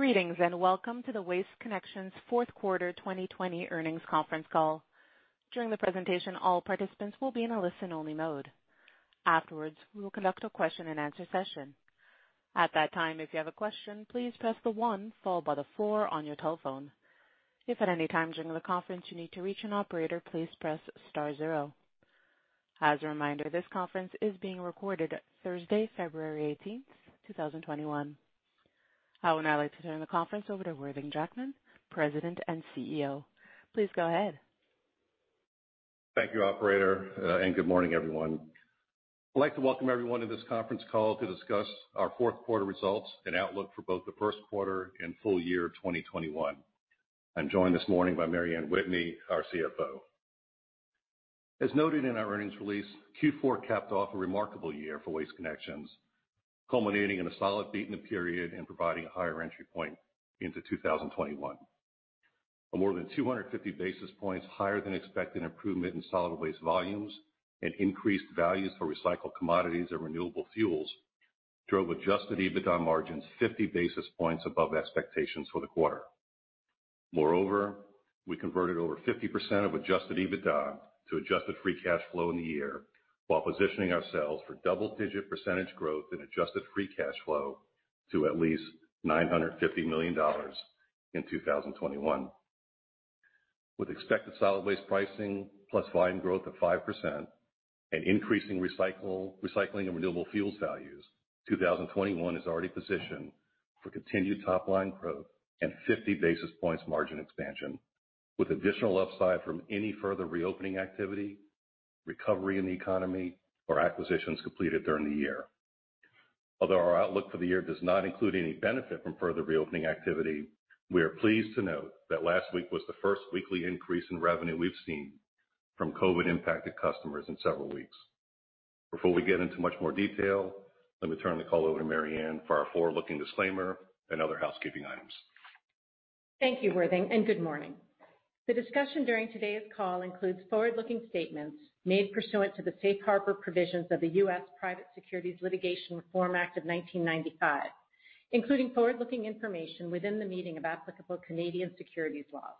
Greetings, and welcome to the Waste Connections' fourth quarter 2020 earnings conference call. During the presentation, all participants will be in a listen-only mode. Afterwards, we will conduct a question-and-answer session. At that time, if you have a question, please press the one followed by the four on your telephone. If at any time during the conference you need to reach an operator, please press star zero. As a reminder, this conference is being recorded Thursday, February 18, 2021. I would now like to turn the conference over to Worthing Jackman, President and CEO. Please go ahead. Thank you, operator, and good morning, everyone. I'd like to welcome everyone to this conference call to discuss our fourth quarter results and outlook for both the first quarter and full year of 2021. I'm joined this morning by Mary Anne Whitney, our CFO. As noted in our earnings release, Q4 capped off a remarkable year for Waste Connections, culminating in a solid beat in the period and providing a higher entry point into 2021. A more than 250 basis points higher than expected improvement in solid waste volumes and increased values for recycled commodities and renewable fuels drove adjusted EBITDA margins 50 basis points above expectations for the quarter. Moreover, we converted over 50% of adjusted EBITDA to adjusted free cash flow in the year, while positioning ourselves for double-digit percentage growth in adjusted free cash flow to at least $950 million in 2021. With expected solid waste pricing plus volume growth of 5% and increasing recycling and renewable fuels values, 2021 is already positioned for continued top-line growth and 50 basis points margin expansion, with additional upside from any further reopening activity, recovery in the economy, or acquisitions completed during the year. Although our outlook for the year does not include any benefit from further reopening activity, we are pleased to note that last week was the first weekly increase in revenue we've seen from COVID-impacted customers in several weeks. Before we get into much more detail, let me turn the call over to Mary Anne for our forward-looking disclaimer and other housekeeping items. Thank you, Worthing, and good morning. The discussion during today's call includes forward-looking statements made pursuant to the Safe Harbor Provisions of the U.S. Private Securities Litigation Reform Act of 1995, including forward-looking information within the meaning of applicable Canadian securities laws.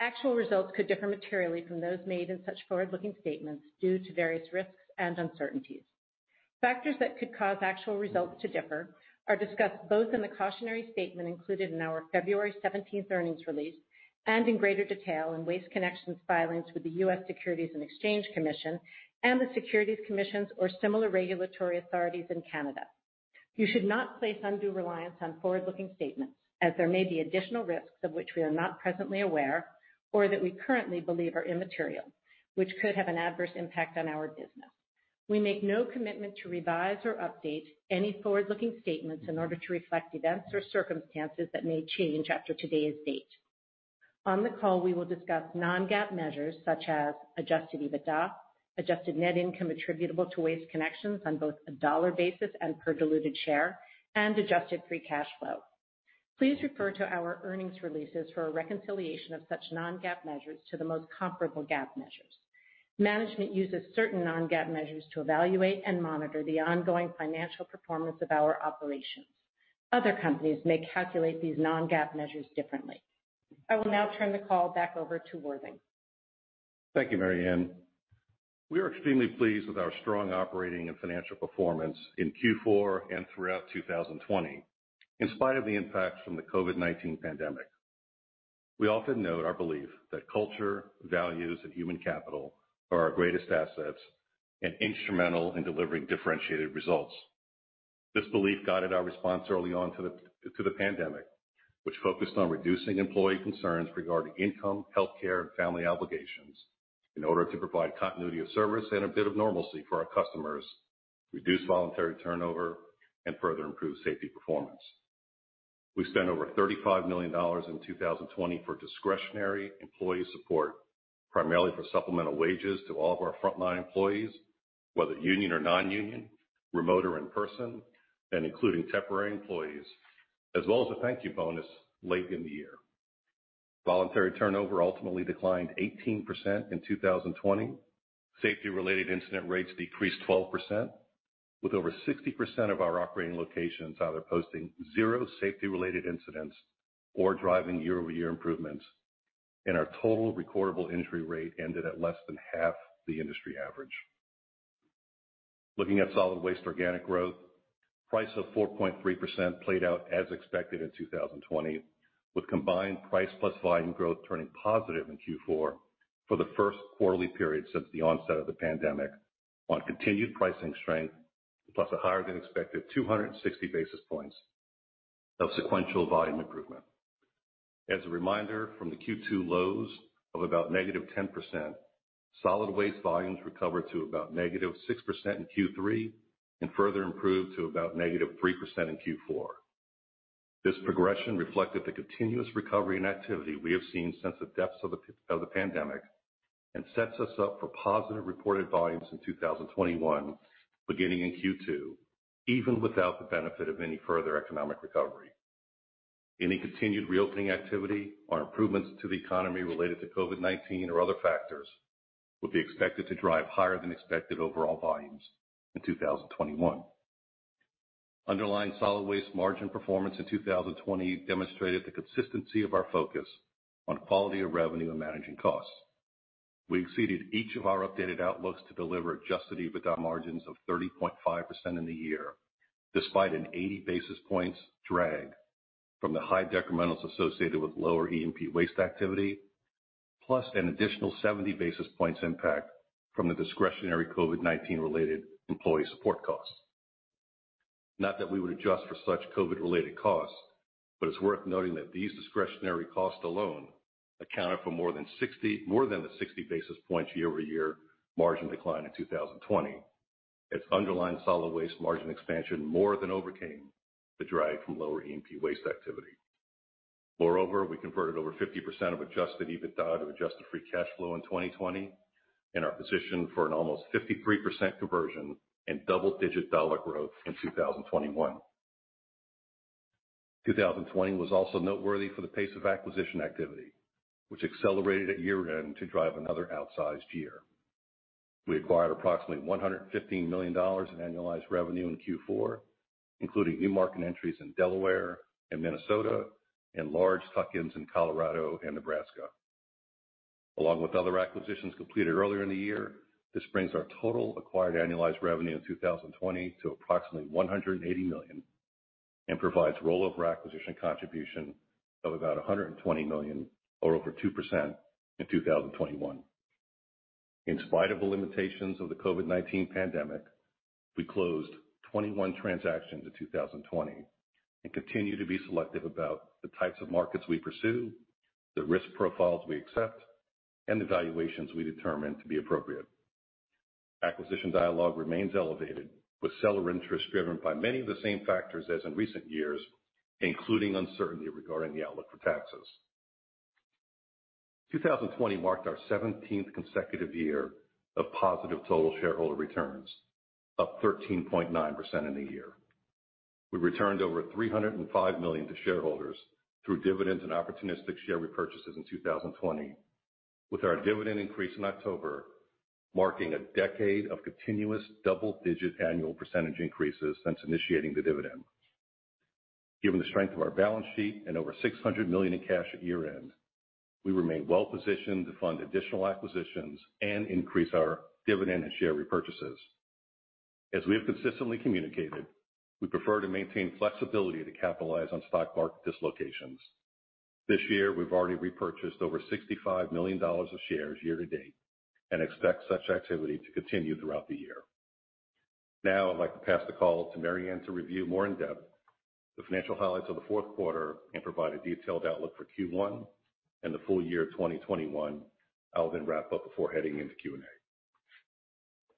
Actual results could differ materially from those made in such forward-looking statements due to various risks and uncertainties. Factors that could cause actual results to differ are discussed both in the cautionary statement included in our February 17th earnings release and in greater detail in Waste Connections' filings with the U.S. Securities and Exchange Commission and the securities commissions or similar regulatory authorities in Canada. You should not place undue reliance on forward-looking statements, as there may be additional risks of which we are not presently aware or that we currently believe are immaterial, which could have an adverse impact on our business. We make no commitment to revise or update any forward-looking statements in order to reflect events or circumstances that may change after today's date. On the call, we will discuss non-GAAP measures such as adjusted EBITDA, adjusted net income attributable to Waste Connections on both a dollar basis and per diluted share, and adjusted free cash flow. Please refer to our earnings releases for a reconciliation of such non-GAAP measures to the most comparable GAAP measures. Management uses certain non-GAAP measures to evaluate and monitor the ongoing financial performance of our operations. Other companies may calculate these non-GAAP measures differently. I will now turn the call back over to Worthing. Thank you, Mary Anne. We are extremely pleased with our strong operating and financial performance in Q4 and throughout 2020, in spite of the impacts from the COVID-19 pandemic. We often note our belief that culture, values, and human capital are our greatest assets and instrumental in delivering differentiated results. This belief guided our response early on to the pandemic, which focused on reducing employee concerns regarding income, healthcare, and family obligations in order to provide continuity of service and a bit of normalcy for our customers, reduce voluntary turnover, and further improve safety performance. We spent over $35 million in 2020 for discretionary employee support, primarily for supplemental wages to all of our frontline employees, whether union or non-union, remote or in person, and including temporary employees, as well as a thank-you bonus late in the year. Voluntary turnover ultimately declined 18% in 2020. Safety-related incident rates decreased 12%, with over 60% of our operating locations either posting zero safety-related incidents or driving year-over-year improvements, and our total recordable injury rate ended at less than half the industry average. Looking at solid waste organic growth, price of 4.3% played out as expected in 2020, with combined price plus volume growth turning positive in Q4 for the first quarterly period since the onset of the pandemic, on continued pricing strength, plus a higher than expected 260 basis points of sequential volume improvement. As a reminder, from the Q2 lows of about -10%, solid waste volumes recovered to about -6% in Q3 and further improved to about -3% in Q4. This progression reflected the continuous recovery and activity we have seen since the depths of the pandemic and sets us up for positive reported volumes in 2021, beginning in Q2, even without the benefit of any further economic recovery. Any continued reopening activity or improvements to the economy related to COVID-19 or other factors would be expected to drive higher-than-expected overall volumes in 2021. Underlying solid waste margin performance in 2020 demonstrated the consistency of our focus on quality of revenue and managing costs. We exceeded each of our updated outlooks to deliver adjusted EBITDA margins of 30.5% in the year, despite an 80 basis points drag from the high decrementals associated with lower E&P waste activity, plus an additional 70 basis points impact from the discretionary COVID-19 related employee support costs. Not that we would adjust for such COVID-19-related costs, it's worth noting that these discretionary costs alone accounted for more than the 60 basis points year-over-year margin decline in 2020, as underlying solid waste margin expansion more than overcame the drag from lower E&P waste activity. We converted over 50% of adjusted EBITDA to adjusted free cash flow in 2020 and are positioned for an almost 53% conversion and double-digit dollar growth in 2021. 2020 was also noteworthy for the pace of acquisition activity, which accelerated at year-end to drive another outsized year. We acquired approximately $115 million in annualized revenue in Q4, including new market entries in Delaware and Minnesota and large tuck-ins in Colorado and Nebraska. Along with other acquisitions completed earlier in the year, this brings our total acquired annualized revenue in 2020 to approximately $180 million and provides rollover acquisition contribution of about $120 million or over 2% in 2021. In spite of the limitations of the COVID-19 pandemic, we closed 21 transactions in 2020 and continue to be selective about the types of markets we pursue, the risk profiles we accept, and the valuations we determine to be appropriate. Acquisition dialogue remains elevated, with seller interest driven by many of the same factors as in recent years, including uncertainty regarding the outlook for taxes. 2020 marked our 17th consecutive year of positive total shareholder returns, up 13.9% in the year. We returned over $305 million to shareholders through dividends and opportunistic share repurchases in 2020, with our dividend increase in October, marking a decade of continuous double-digit annual percentage increases since initiating the dividend. Given the strength of our balance sheet and over $600 million in cash at year-end, we remain well-positioned to fund additional acquisitions and increase our dividend and share repurchases. As we have consistently communicated, we prefer to maintain flexibility to capitalize on stock market dislocations. This year, we've already repurchased over $65 million of shares year-to-date and expect such activity to continue throughout the year. I'd like to pass the call to Mary Anne to review more in-depth the financial highlights of the fourth quarter and provide a detailed outlook for Q1 and the full year of 2021. I will wrap up before heading into Q&A.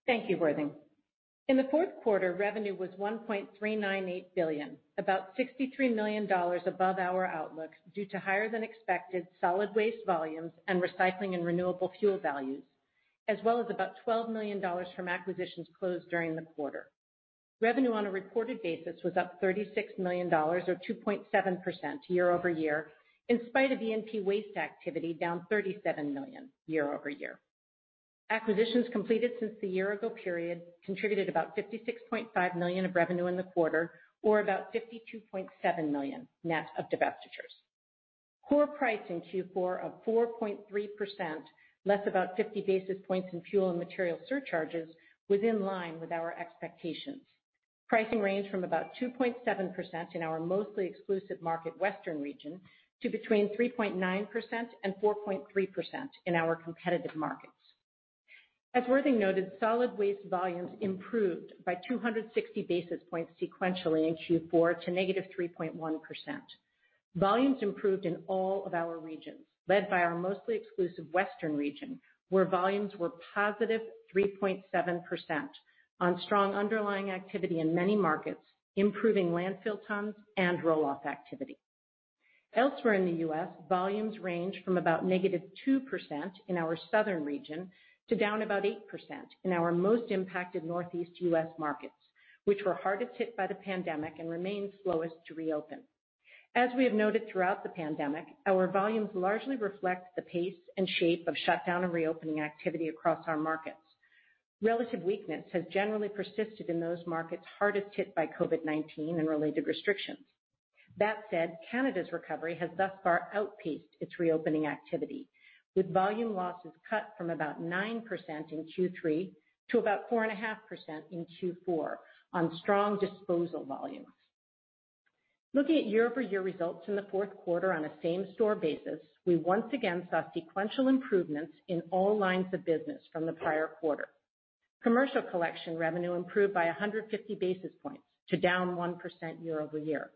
Thank you, Worthing. In the fourth quarter, revenue was $1.398 billion, about $63 million above our outlooks due to higher than expected solid waste volumes and recycling and renewable fuel values, as well as about $12 million from acquisitions closed during the quarter. Revenue on a reported basis was up $36 million or 2.7% year-over-year, in spite of E&P waste activity down $37 million year-over-year. Acquisitions completed since the year-ago period contributed about $56.5 million of revenue in the quarter, or about $52.7 million net of divestitures. Core price in Q4 of 4.3%, less about 50 basis points in fuel and material surcharges, was in line with our expectations. Pricing ranged from about 2.7% in our mostly exclusive market Western region, to between 3.9% and 4.3% in our competitive markets. As Worthing noted, solid waste volumes improved by 260 basis points sequentially in Q4 to -3.1%. Volumes improved in all of our regions, led by our mostly exclusive Western region, where volumes were +3.7% on strong underlying activity in many markets, improving landfill tons and roll-off activity. Elsewhere in the U.S., volumes range from about -2% in our Southern region to down about 8% in our most impacted Northeast U.S. markets, which were hardest hit by the pandemic and remain slowest to reopen. As we have noted throughout the pandemic, our volumes largely reflect the pace and shape of shutdown and reopening activity across our markets. Relative weakness has generally persisted in those markets hardest hit by COVID-19 and related restrictions. That said, Canada's recovery has thus far outpaced its reopening activity, with volume losses cut from about 9% in Q3 to about 4.5% in Q4 on strong disposal volumes. Looking at year-over-year results in the fourth quarter on a same-store basis, we once again saw sequential improvements in all lines of business from the prior quarter. Commercial collection revenue improved by 150 basis points to down 1% year-over-year.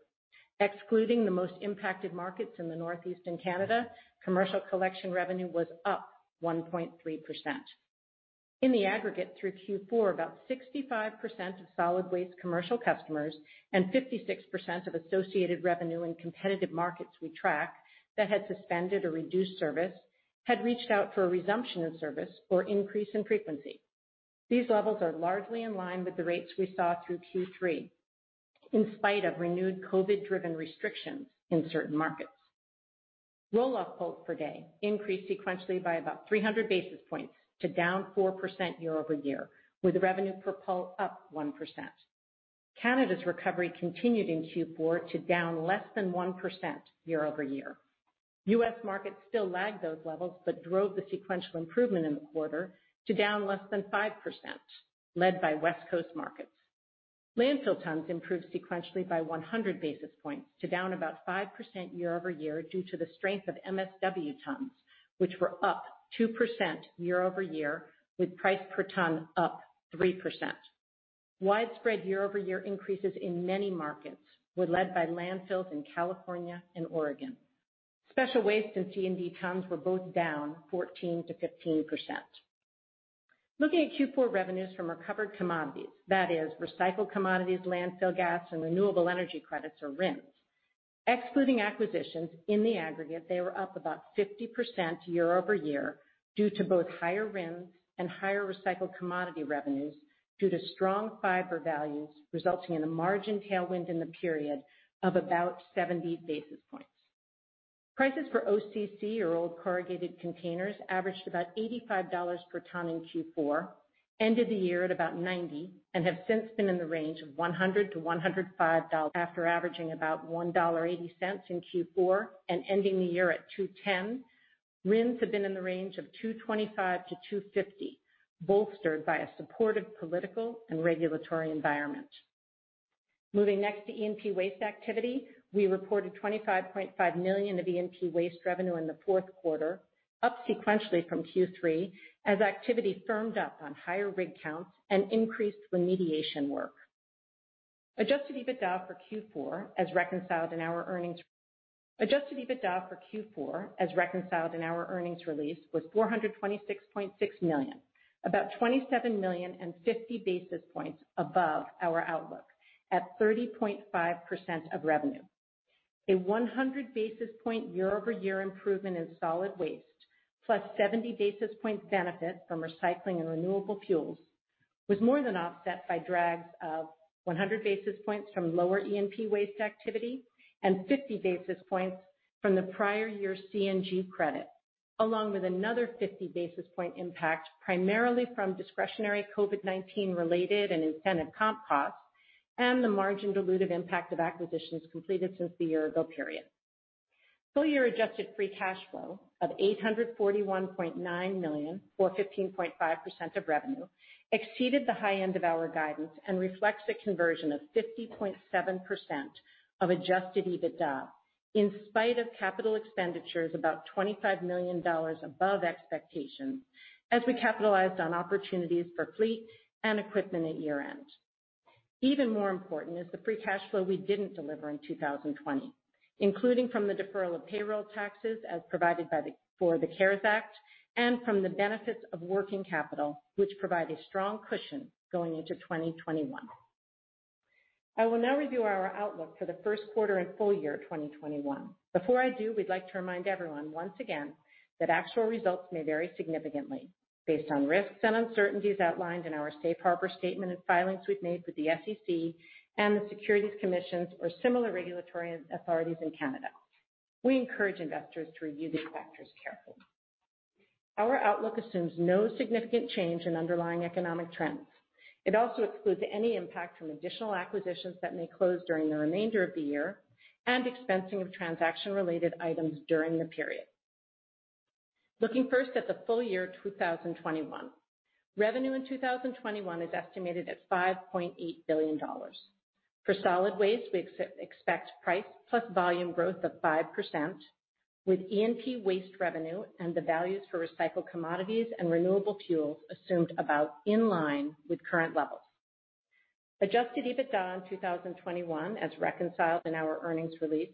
Excluding the most impacted markets in the Northeast and Canada, commercial collection revenue was up 1.3%. In the aggregate through Q4, about 65% of solid waste commercial customers and 56% of associated revenue in competitive markets we track that had suspended or reduced service had reached out for a resumption of service or increase in frequency. These levels are largely in line with the rates we saw through Q3. In spite of renewed COVID-driven restrictions in certain markets. Roll-off pulls per day increased sequentially by about 300 basis points to down 4% year-over-year, with revenue per pull up 1%. Canada's recovery continued in Q4 to down less than 1% year-over-year. U.S. markets still lagged those levels, drove the sequential improvement in the quarter to down less than 5%, led by West Coast markets. Landfill tons improved sequentially by 100 basis points to down about 5% year-over-year due to the strength of MSW tons, which were up 2% year-over-year, with price per ton up 3%. Widespread year-over-year increases in many markets were led by landfills in California and Oregon. Special waste and C&D tons were both down 14%-15%. Looking at Q4 revenues from recovered commodities, that is recycled commodities, landfill gas, and renewable energy credits, or RINs. Excluding acquisitions in the aggregate, they were up about 50% year-over-year due to both higher RINs and higher recycled commodity revenues due to strong fiber values, resulting in a margin tailwind in the period of about 70 basis points. Prices for OCC, or old corrugated containers, averaged about $85 per ton in Q4, ended the year at about $90, and have since been in the range of $100-$105. After averaging about $1.80 in Q4 and ending the year at $2.10, RINs have been in the range of $225-$250, bolstered by a supportive political and regulatory environment. Moving next to E&P waste activity, we reported $25.5 million of E&P waste revenue in the fourth quarter, up sequentially from Q3 as activity firmed up on higher rig counts and increased remediation work. Adjusted EBITDA for Q4, as reconciled in our earnings release, was $426.6 million, about $27 million and 50 basis points above our outlook at 30.5% of revenue. A 100 basis point year-over-year improvement in solid waste, +70 basis points benefit from recycling and renewable fuels, was more than offset by drags of 100 basis points from lower E&P waste activity and 50 basis points from the prior year CNG credit, along with another 50 basis point impact, primarily from discretionary COVID-19-related and incentive comp costs, and the margin dilutive impact of acquisitions completed since the year-ago period. Full-year adjusted free cash flow of $841.9 million or 15.5% of revenue exceeded the high end of our guidance and reflects a conversion of 50.7% of adjusted EBITDA in spite of capital expenditures about $25 million above expectations, as we capitalized on opportunities for fleet and equipment at year-end. Even more important is the free cash flow we didn't deliver in 2020, including from the deferral of payroll taxes as provided for the CARES Act and from the benefits of working capital, which provide a strong cushion going into 2021. I will now review our outlook for the first quarter and full year 2021. Before I do, we'd like to remind everyone once again that actual results may vary significantly based on risks and uncertainties outlined in our safe harbor statement and filings we've made with the SEC and the securities commissions or similar regulatory authorities in Canada. We encourage investors to review these factors carefully. Our outlook assumes no significant change in underlying economic trends. It also excludes any impact from additional acquisitions that may close during the remainder of the year and expensing of transaction-related items during the period. Looking first at the full year 2021. Revenue in 2021 is estimated at $5.8 billion. For solid waste, we expect price plus volume growth of 5%, with E&P waste revenue and the values for recycled commodities and renewable fuels assumed about in line with current levels. Adjusted EBITDA in 2021, as reconciled in our earnings release,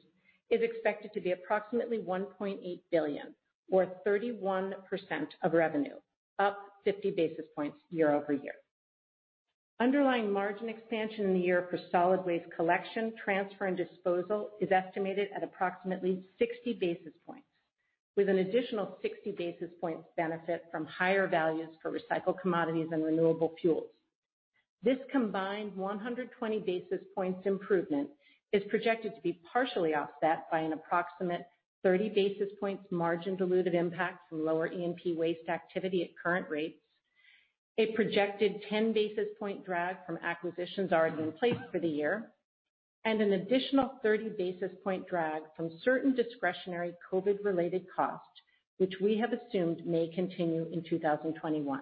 is expected to be approximately $1.8 billion or 31% of revenue, up 50 basis points year-over-year. Underlying margin expansion in the year for solid waste collection, transfer, and disposal is estimated at approximately 60 basis points, with an additional 60 basis points benefit from higher values for recycled commodities and renewable fuels. This combined 120 basis points improvement is projected to be partially offset by an approximate 30 basis points margin dilutive impact from lower E&P waste activity at current rates, a projected 10 basis point drag from acquisitions already in place for the year, and an additional 30 basis point drag from certain discretionary COVID-related costs, which we have assumed may continue in 2021.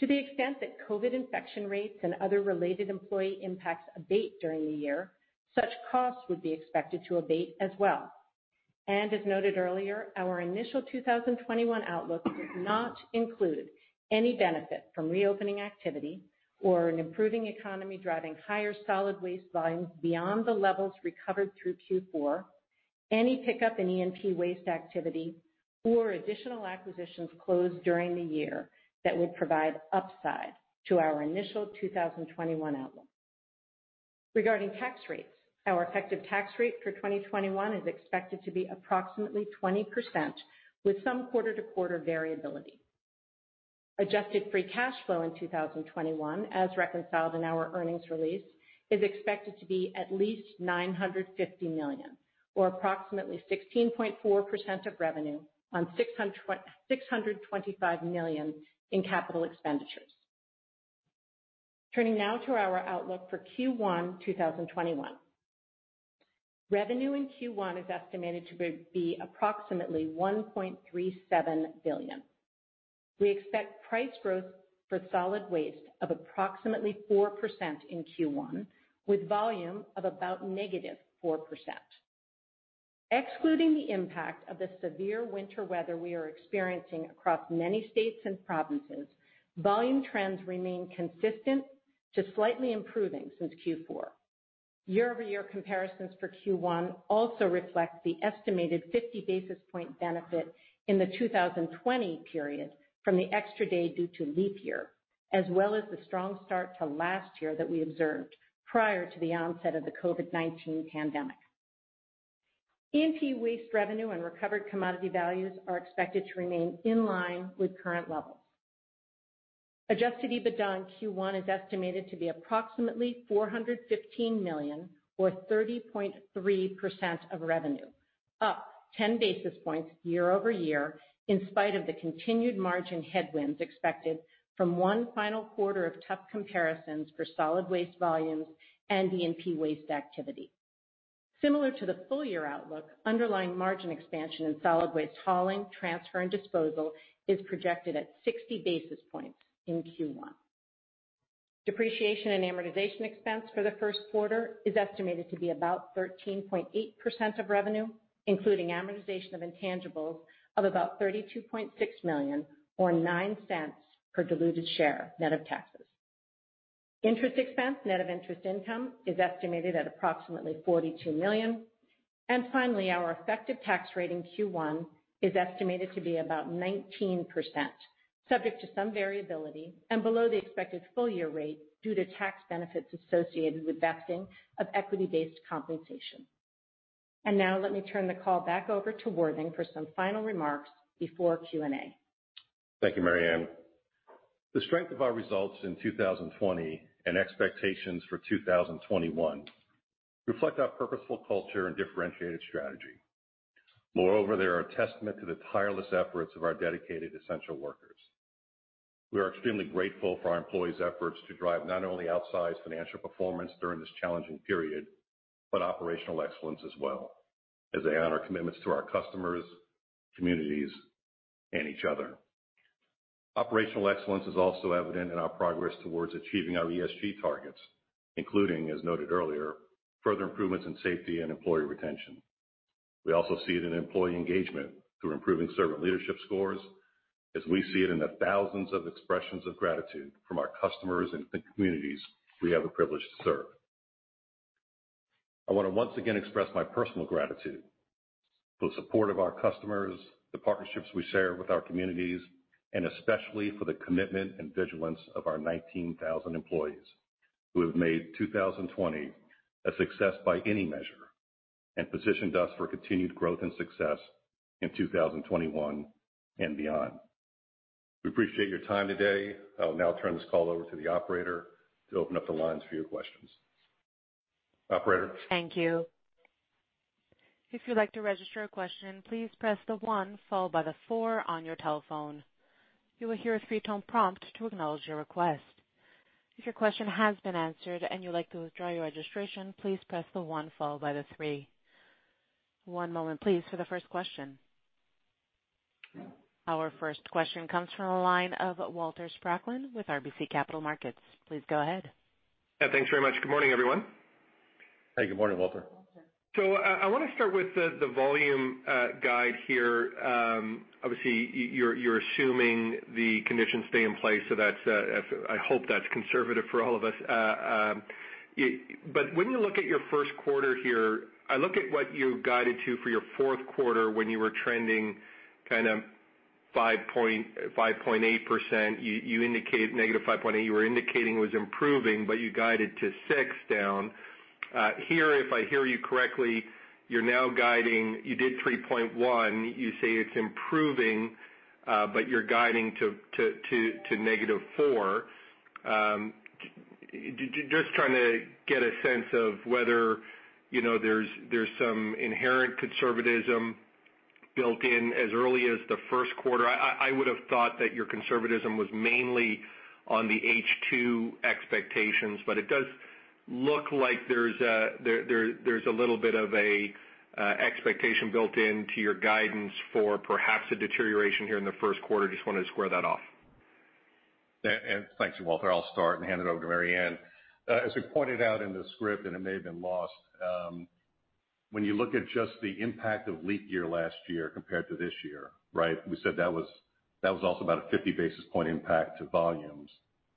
To the extent that COVID infection rates and other related employee impacts abate during the year, such costs would be expected to abate as well. As noted earlier, our initial 2021 outlook does not include any benefit from reopening activity or an improving economy driving higher solid waste volumes beyond the levels recovered through Q4, any pickup in E&P waste activity or additional acquisitions closed during the year that would provide upside to our initial 2021 outlook. Regarding tax rates, our effective tax rate for 2021 is expected to be approximately 20%, with some quarter-to-quarter variability. Adjusted free cash flow in 2021, as reconciled in our earnings release, is expected to be at least $950 million, or approximately 16.4% of revenue on $625 million in capital expenditures. Turning now to our outlook for Q1 2021. Revenue in Q1 is estimated to be approximately $1.37 billion. We expect price growth for solid waste of approximately 4% in Q1, with volume of about -4%. Excluding the impact of the severe winter weather we are experiencing across many states and provinces, volume trends remain consistent to slightly improving since Q4. Year-over-year comparisons for Q1 also reflect the estimated 50-basis-point benefit in the 2020 period from the extra day due to leap year, as well as the strong start to last year that we observed prior to the onset of the COVID-19 pandemic. E&P waste revenue and recovered commodity values are expected to remain in line with current levels. Adjusted EBITDA in Q1 is estimated to be approximately $415 million, or 30.3% of revenue. Up 10 basis points year-over-year in spite of the continued margin headwinds expected from one final quarter of tough comparisons for solid waste volumes and E&P waste activity. Similar to the full-year outlook, underlying margin expansion in solid waste hauling, transfer, and disposal is projected at 60 basis points in Q1. Depreciation and amortization expense for the first quarter is estimated to be about 13.8% of revenue, including amortization of intangibles of about $32.6 million or $0.09 per diluted share, net of taxes. Interest expense, net of interest income, is estimated at approximately $42 million. Finally, our effective tax rate in Q1 is estimated to be about 19%, subject to some variability and below the expected full-year rate due to tax benefits associated with vesting of equity-based compensation. Now let me turn the call back over to Worthing for some final remarks before Q&A. Thank you, Mary Anne. The strength of our results in 2020 and expectations for 2021 reflect our purposeful culture and differentiated strategy. Moreover, they are a testament to the tireless efforts of our dedicated essential workers. We are extremely grateful for our employees' efforts to drive not only outsized financial performance during this challenging period, but operational excellence as well, as they honor commitments to our customers, communities, and each other. Operational excellence is also evident in our progress towards achieving our ESG targets, including, as noted earlier, further improvements in safety and employee retention. We also see it in employee engagement through improving servant leadership scores, as we see it in the thousands of expressions of gratitude from our customers and the communities we have the privilege to serve. I want to once again express my personal gratitude for the support of our customers, the partnerships we share with our communities, and especially for the commitment and vigilance of our 19,000 employees who have made 2020 a success by any measure and positioned us for continued growth and success in 2021 and beyond. We appreciate your time today. I will now turn this call over to the operator to open up the lines for your questions. Operator? Thank you. If you'd like to register a question, please press the one followed by the four on your telephone. You will hear a three-tone prompt to acknowledge your request. If your question has been answered and you'd like to withdraw your registration, please press the one followed by the three. One moment, please, for the first question. Our first question comes from the line of Walter Spracklin with RBC Capital Markets. Please go ahead. Yeah, thanks very much. Good morning, everyone. Hey, good morning, Walter. I want to start with the volume guide here. Obviously, you're assuming the conditions stay in place, so I hope that's conservative for all of us. When you look at your first quarter here, I look at what you guided to for your fourth quarter when you were trending kind of -5.8%. You were indicating it was improving, but you guided to 6% down. Here, if I hear you correctly, you did 3.1%. You say it's improving, but you're guiding to -4%. Just trying to get a sense of whether there's some inherent conservatism built in as early as the first quarter. I would have thought that your conservatism was mainly on the H2 expectations, but it does look like there's a little bit of an expectation built into your guidance for perhaps a deterioration here in the first quarter. Just wanted to square that off. Thanks, Walter. I'll start and hand it over to Mary Anne. As we pointed out in the script, and it may have been lost, when you look at just the impact of leap year last year compared to this year, we said that was also about a 50 basis points impact to volumes.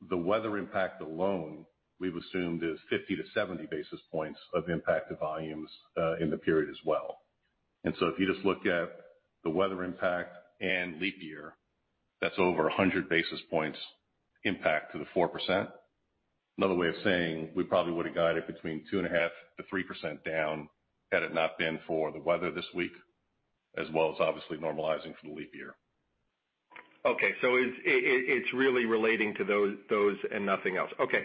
The weather impact alone, we've assumed, is 50 to 70 basis points of impact to volumes in the period as well. If you just look at the weather impact and leap year, that's over 100 basis points impact to the 4%. Another way of saying we probably would've guided between 2.5% to 3% down had it not been for the weather this week, as well as obviously normalizing for the leap year. Okay, so it's really relating to those and nothing else. Okay.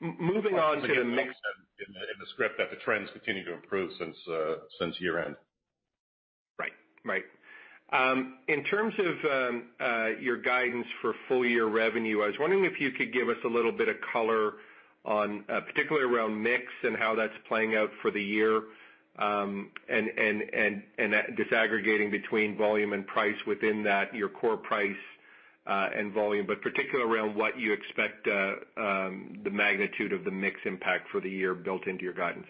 Moving on to the mix- Also, again, noted in the script that the trends continue to improve since year-end. Right. In terms of your guidance for full-year revenue, I was wondering if you could give us a little bit of color on, particularly around mix and how that's playing out for the year, and disaggregating between volume and price within that, your core price, and volume. Particularly around what you expect the magnitude of the mix impact for the year built into your guidance.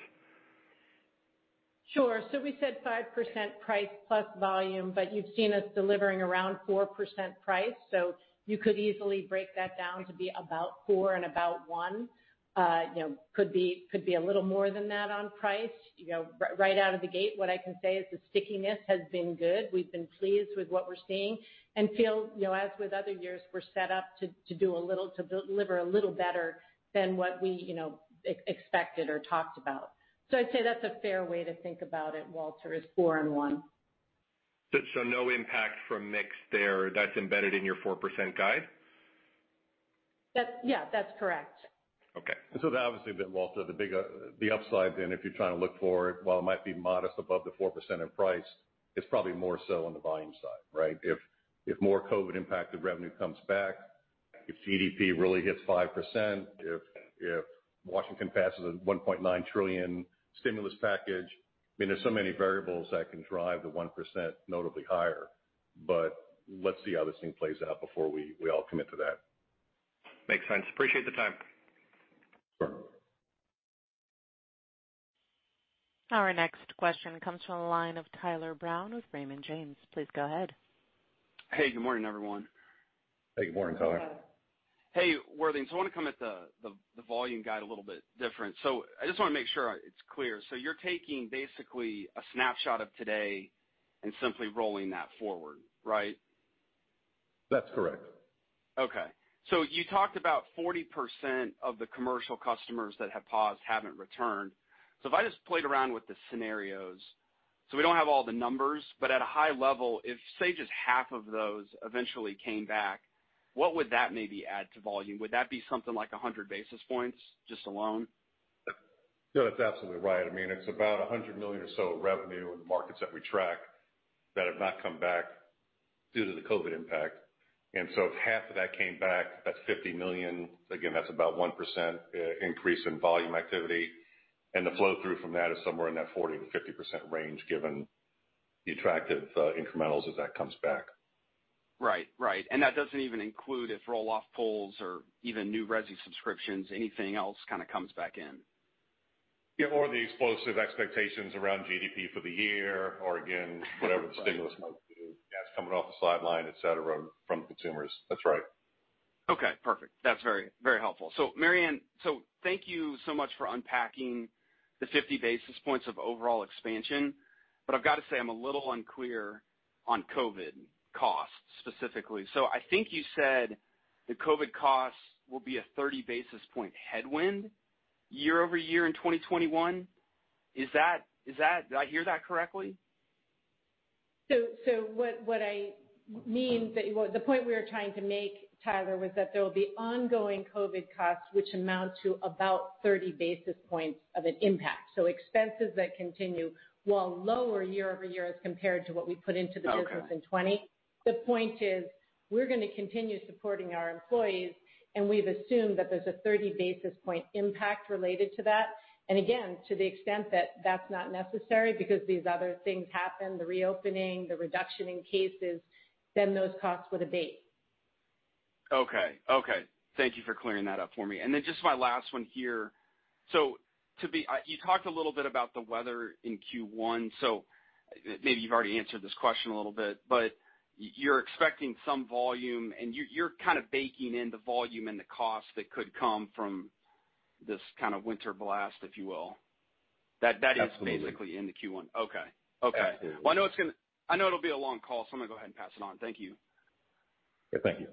Sure. We said 5% price plus volume, but you've seen us delivering around 4% price. You could easily break that down to be about four and about one. Could be a little more than that on price. Right out of the gate, what I can say is the stickiness has been good. We've been pleased with what we're seeing and feel, as with other years, we're set up to deliver a little better than what we expected or talked about. I'd say that's a fair way to think about it, Walter, is 4 and 1. No impact from mix there. That's embedded in your 4% guide? Yeah, that's correct. Okay. Obviously, then, Walter, the big upside then, if you're trying to look for it, while it might be modest above the 4% in price, it's probably more so on the volume side, right? If more COVID-19-impacted revenue comes back, if GDP really hits 5%, if Washington passes a $1.9 trillion stimulus package, I mean, there's so many variables that can drive the 1% notably higher. Let's see how this thing plays out before we all commit to that. Makes sense. Appreciate the time. Sure. Our next question comes from the line of Tyler Brown with Raymond James. Please go ahead. Hey, good morning, everyone. Hey, good morning, Tyler. Good morning. Hey, Worthing. I want to come at the volume guide a little bit different. I just want to make sure it's clear. You're taking basically a snapshot of today and simply rolling that forward, right? That's correct. Okay. You talked about 40% of the commercial customers that have paused haven't returned. If I just played around with the scenarios, we don't have all the numbers, but at a high level, if say, just half of those eventually came back, what would that maybe add to volume? Would that be something like 100 basis points just alone? No, that's absolutely right. I mean, it's about $100 million or so of revenue in the markets that we track that have not come back due to the COVID impact. If half of that came back, that's $50 million. Again, that's about 1% increase in volume activity. The flow-through from that is somewhere in that 40%-50% range, given the attractive incrementals as that comes back. Right. That doesn't even include if roll-off pulls or even new resi subscriptions, anything else kind of comes back in. The explosive expectations around GDP for the year or again, whatever the stimulus might do. It's coming off the sideline, et cetera, from consumers. That's right. Okay, perfect. That's very helpful. Mary Anne, thank you so much for unpacking the 50 basis points of overall expansion, but I've got to say I'm a little unclear on COVID costs specifically. I think you said the COVID costs will be a 30 basis point headwind year-over-year in 2021. Did I hear that correctly? What I mean, the point we were trying to make, Tyler, was that there will be ongoing COVID costs which amount to about 30 basis points of an impact. Expenses that continue while lower year-over-year as compared to what we put into the business in 2020. The point is we're going to continue supporting our employees, and we've assumed that there's a 30 basis point impact related to that. Again, to the extent that that's not necessary because these other things happen, the reopening, the reduction in cases, then those costs would abate. Okay. Thank you for clearing that up for me. Just my last one here. You talked a little bit about the weather in Q1, so maybe you've already answered this question a little bit, but you're expecting some volume and you're kind of baking in the volume and the cost that could come from this kind of winter blast, if you will. Absolutely. That is basically in the Q1. Okay. Absolutely. Well, I know it'll be a long call, so I'm going to go ahead and pass it on. Thank you. Yeah, thank you.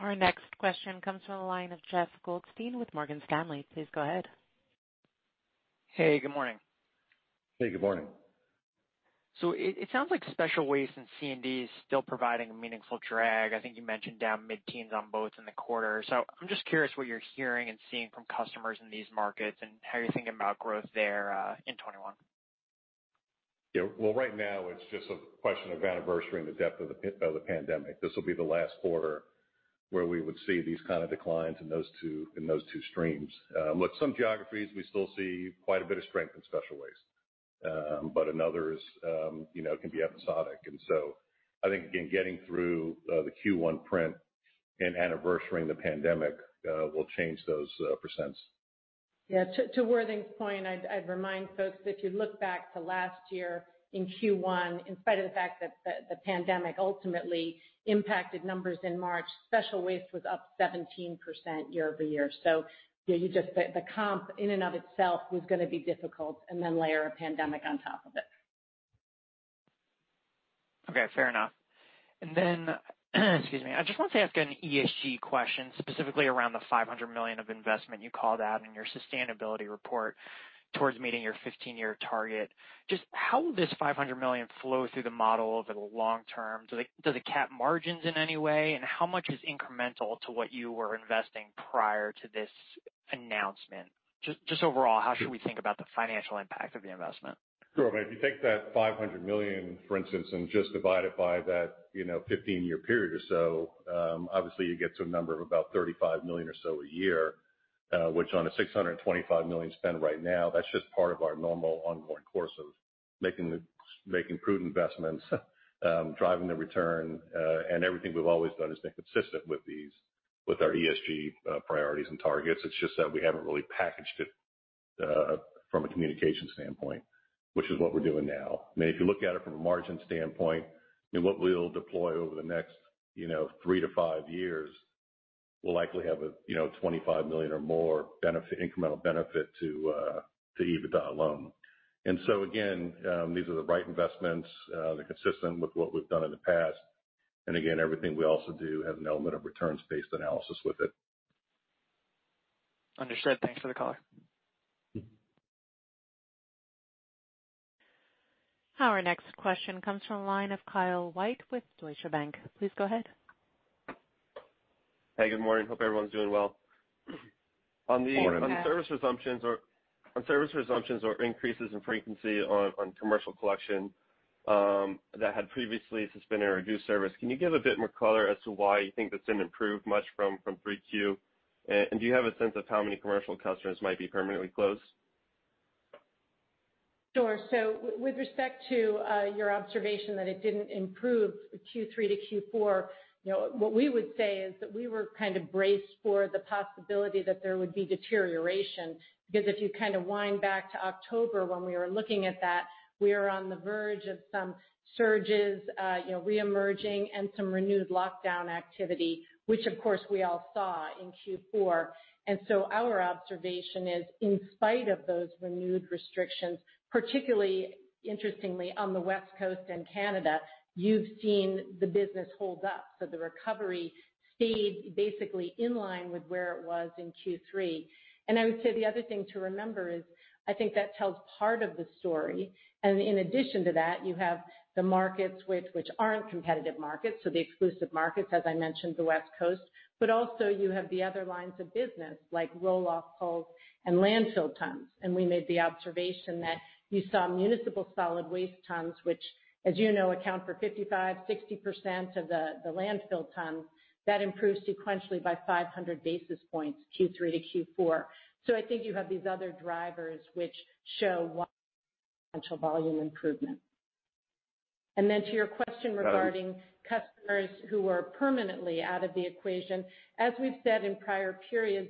Our next question comes from the line of Jeff Goldstein with Morgan Stanley. Please go ahead. Hey, good morning. Hey, good morning. It sounds like special waste and C&D is still providing a meaningful drag. I think you mentioned down mid-teens on both in the quarter. I'm just curious what you're hearing and seeing from customers in these markets and how you're thinking about growth there in 2021. Yeah. Well, right now it's just a question of anniversarying the depth of the pandemic. This will be the last quarter where we would see these kind of declines in those two streams. Look, some geographies, we still see quite a bit of strength in special waste. In others, it can be episodic. I think again, getting through the Q1 print and anniversarying the pandemic will change those percents. Yeah. To Worthing's point, I'd remind folks, if you look back to last year in Q1, in spite of the fact that the pandemic ultimately impacted numbers in March, special waste was up 17% year-over-year. The comp in and of itself was gonna be difficult and then layer a pandemic on top of it. Okay, fair enough. I just want to ask an ESG question, specifically around the $500 million of investment you called out in your sustainability report towards meeting your 15-year target. Just how will this $500 million flow through the model over the long term? Does it cap margins in any way? How much is incremental to what you were investing prior to this announcement? Just overall, how should we think about the financial impact of the investment? Sure. If you take that $500 million, for instance, and just divide it by that 15-year period or so, obviously you get to a number of about $35 million or so a year, which on a $625 million spend right now, that's just part of our normal ongoing course of making prudent investments, driving the return, and everything we've always done has been consistent with our ESG priorities and targets. It's just that we haven't really packaged it from a communication standpoint, which is what we're doing now. If you look at it from a margin standpoint and what we'll deploy over the next three to five years, we'll likely have a $25 million or more incremental benefit to EBITDA alone. Again, these are the right investments. They're consistent with what we've done in the past. Again, everything we also do has an element of returns-based analysis with it. Understood. Thanks for the color. Our next question comes from the line of Kyle White with Deutsche Bank. Please go ahead. Hey, good morning. Hope everyone's doing well. Good morning. On service resumptions or increases in frequency on commercial collection that had previously suspended or reduced service, can you give a bit more color as to why you think this didn't improve much from 3Q? Do you have a sense of how many commercial customers might be permanently closed? Sure. With respect to your observation that it didn't improve Q3 to Q4, what we would say is that we were kind of braced for the possibility that there would be deterioration, because if you kind of wind back to October when we were looking at that, we were on the verge of some surges re-emerging and some renewed lockdown activity, which of course we all saw in Q4. Our observation is, in spite of those renewed restrictions, particularly interestingly on the West Coast and Canada, you've seen the business hold up. The recovery stayed basically in line with where it was in Q3. I would say the other thing to remember is, I think that tells part of the story. In addition to that, you have the markets, which aren't competitive markets, so the exclusive markets, as I mentioned, the West Coast, but also you have the other lines of business like roll-off, bulk, and landfill tons. We made the observation that you saw municipal solid waste tons, which, as you know, account for 55%, 60% of the landfill tons, that improved sequentially by 500 basis points, Q3 to Q4. I think you have these other drivers which show why potential volume improvement. To your question regarding customers who are permanently out of the equation, as we've said in prior periods,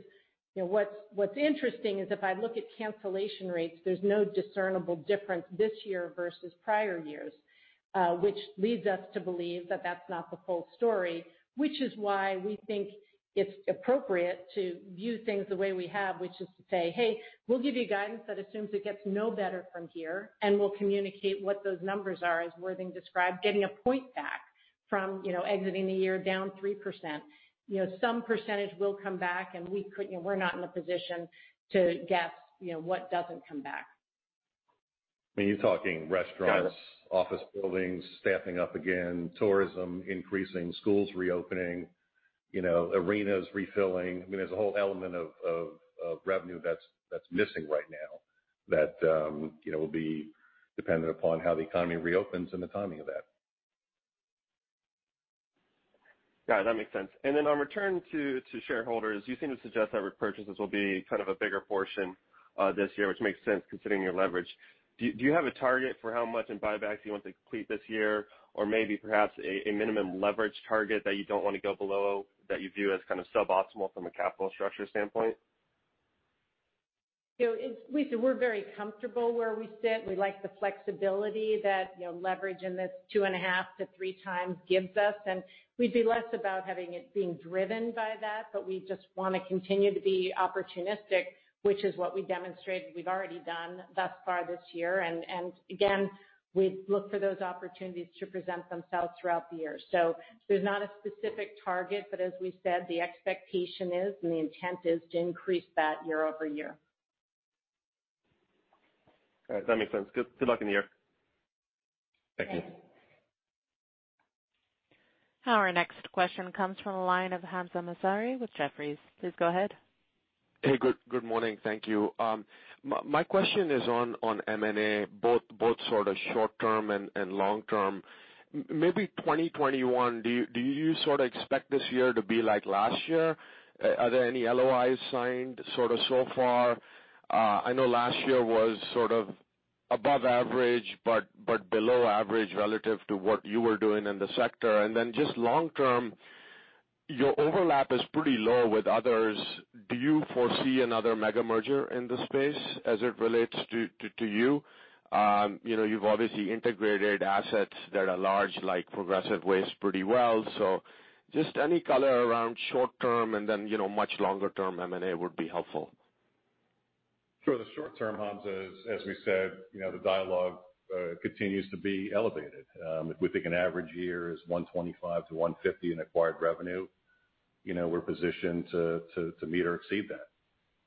what's interesting is if I look at cancellation rates, there's no discernible difference this year versus prior years. Which leads us to believe that that's not the full story, which is why we think it's appropriate to view things the way we have, which is to say, "Hey, we'll give you guidance that assumes it gets no better from here, and we'll communicate what those numbers are," as Worthing Jackman described, getting a point back from exiting the year down 3%. Some percentage will come back, and we're not in a position to guess what doesn't come back. You're talking restaurants, office buildings, staffing up again, tourism increasing, schools reopening, arenas refilling. There's a whole element of revenue that's missing right now that will be dependent upon how the economy reopens and the timing of that. Got it. That makes sense. On return to shareholders, you seem to suggest that repurchases will be a bigger portion this year, which makes sense considering your leverage. Do you have a target for how much in buybacks you want to complete this year? Or maybe perhaps a minimum leverage target that you don't want to go below, that you view as suboptimal from a capital structure standpoint? We said we're very comfortable where we sit. We like the flexibility that leverage in this 2.5x to 3x gives us, and we'd be less about having it being driven by that, but we just want to continue to be opportunistic, which is what we demonstrated we've already done thus far this year. Again, we look for those opportunities to present themselves throughout the year. There's not a specific target, but as we said, the expectation is, and the intent is to increase that year-over-year. All right. That makes sense. Good luck in the year. Thank you. Thanks. Our next question comes from the line of Hamzah Mazari with Jefferies. Please go ahead. Hey, good morning. Thank you. My question is on M&A, both sort of short-term and long-term. Maybe 2021, do you sort of expect this year to be like last year? Are there any LOIs signed sort of so far? I know last year was sort of above average below average relative to what you were doing in the sector. Just long term, your overlap is pretty low with others. Do you foresee another mega merger in this space as it relates to you? You've obviously integrated assets that are large, like Progressive Waste, pretty well. Just any color around short term and then much longer term M&A would be helpful. For the short term, Hamzah, as we said, the dialogue continues to be elevated. If we think an average year is $125 million-$150 million in acquired revenue, we're positioned to meet or exceed that.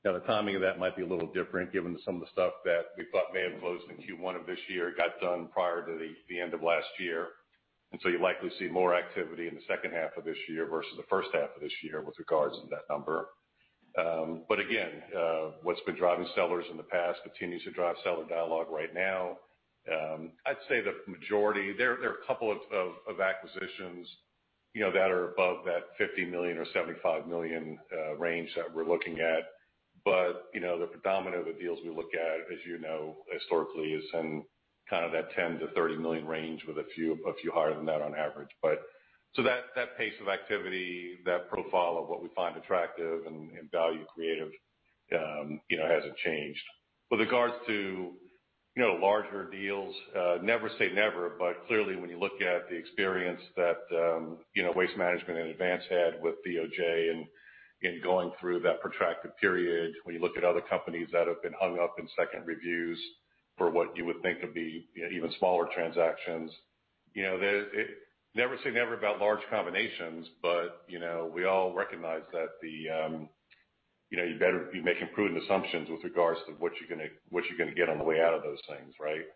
Now, the timing of that might be a little different given some of the stuff that we thought may have closed in Q1 of this year, got done prior to the end of last year. You'll likely see more activity in the second half of this year versus the first half of this year with regards to that number. Again, what's been driving sellers in the past continues to drive seller dialogue right now. I'd say the majority, there are a couple of acquisitions that are above that $50 million or $75 million range that we're looking at. The predominant of the deals we look at, as you know, historically, is in kind of that $10 million-$30 million range, with a few higher than that on average. That pace of activity, that profile of what we find attractive and value creative hasn't changed. With regards to larger deals, never say never, but clearly, when you look at the experience that Waste Management and Advanced Disposal had with DOJ in going through that protracted period, when you look at other companies that have been hung up in second reviews for what you would think would be even smaller transactions. Never say never about large combinations, we all recognize that you better be making prudent assumptions with regards to what you're going to get on the way out of those things, right?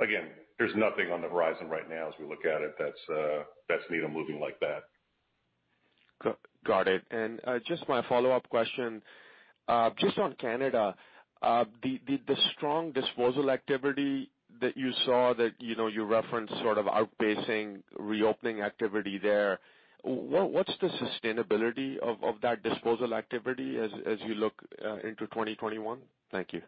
Again, there's nothing on the horizon right now as we look at it that's needle-moving like that. Got it. Just my follow-up question, just on Canada, the strong disposal activity that you saw that you referenced sort of outpacing reopening activity there, what's the sustainability of that disposal activity as you look into 2021? Thank you.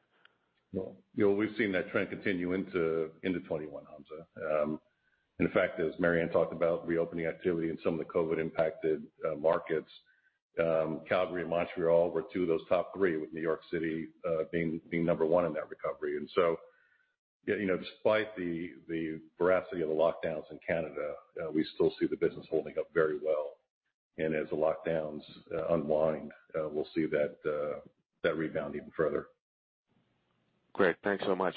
We've seen that trend continue into 2021, Hamzah. In fact, as Mary Anne talked about reopening activity in some of the COVID-impacted markets, Calgary and Montreal were two of those top three, with New York City being number one in that recovery. Despite the veracity of the lockdowns in Canada, we still see the business holding up very well. As the lockdowns unwind, we'll see that rebound even further. Great. Thanks so much.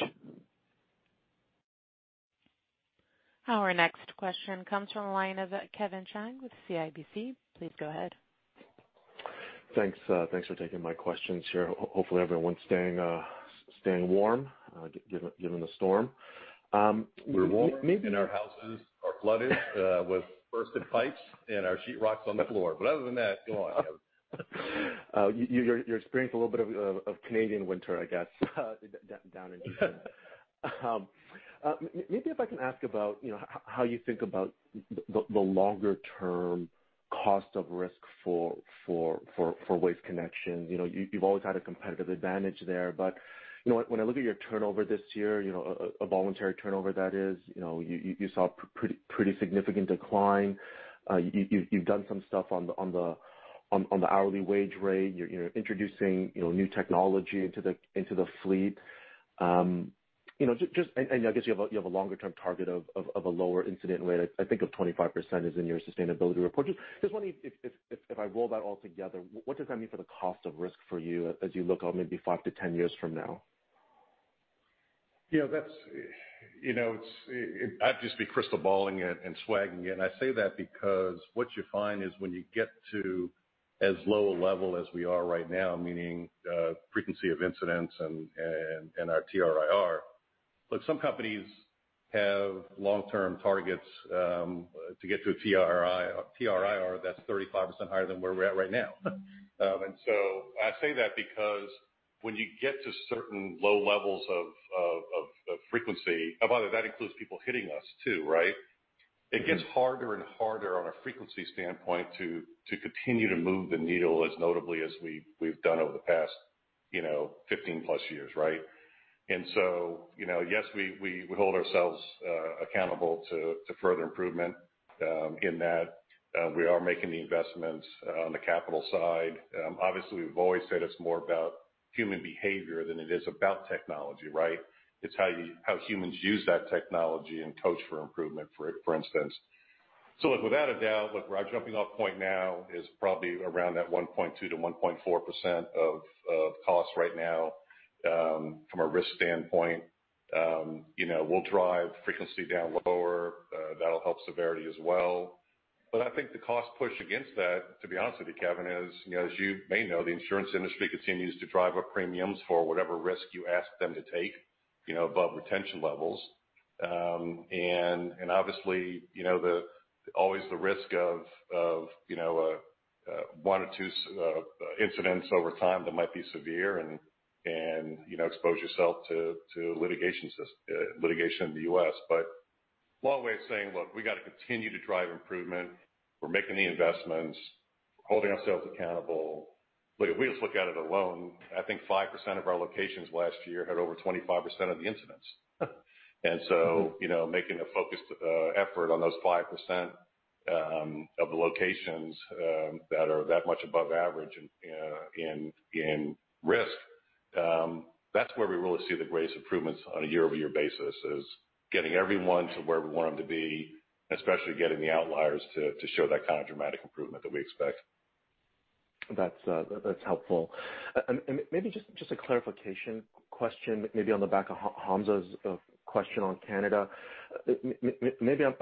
Our next question comes from the line of Kevin Chiang with CIBC. Please go ahead. Thanks for taking my questions here. Hopefully, everyone's staying warm given the storm. We're warm, and our houses are flooded with burst pipes, and our sheetrock's on the floor. Other than that, go on, Kevin. You're experiencing a little bit of Canadian winter, I guess, down in Houston. Maybe if I can ask about how you think about the longer-term cost of risk for Waste Connections. You've always had a competitive advantage there, but when I look at your turnover this year, a voluntary turnover that is, you saw pretty significant decline. You've done some stuff on the hourly wage rate. You're introducing new technology into the fleet. I guess you have a longer-term target of a lower incident rate. I think of 25% is in your sustainability report. Just wondering if I roll that all together, what does that mean for the cost of risk for you as you look on maybe 5 to 10 years from now? That's, I'd just be crystal balling it and swagging it, and I say that because what you find is when you get to as low a level as we are right now, meaning frequency of incidents and our TRIR. Look, some companies have long-term targets to get to a TRIR that's 35% higher than where we're at right now. I say that because when you get to certain low levels of frequency, by the way, that includes people hitting us, too, right? It gets harder and harder on a frequency standpoint to continue to move the needle as notably as we've done over the past 15+ years, right? Yes, we hold ourselves accountable to further improvement in that we are making the investments on the capital side. Obviously, we've always said it's more about human behavior than it is about technology, right? It's how humans use that technology and coach for improvement, for instance. Look, without a doubt, look, our jumping off point now is probably around that 1.2%-1.4% of cost right now from a risk standpoint. We'll drive frequency down lower. That'll help severity as well. I think the cost push against that, to be honest with you, Kevin, is, as you may know, the insurance industry continues to drive up premiums for whatever risk you ask them to take above retention levels. Obviously, always the risk of one or two incidents over time that might be severe and expose yourself to litigation in the U.S. Long way of saying, look, we got to continue to drive improvement. We're making the investments, holding ourselves accountable. Look, if we just look at it alone, I think 5% of our locations last year had over 25% of the incidents, making a focused effort on those 5% of the locations that are that much above average in risk. That's where we really see the greatest improvements on a year-over-year basis, is getting everyone to where we want them to be, especially getting the outliers to show that kind of dramatic improvement that we expect. That's helpful. Maybe just a clarification question, maybe on the back of Hamzah's question on Canada. Maybe I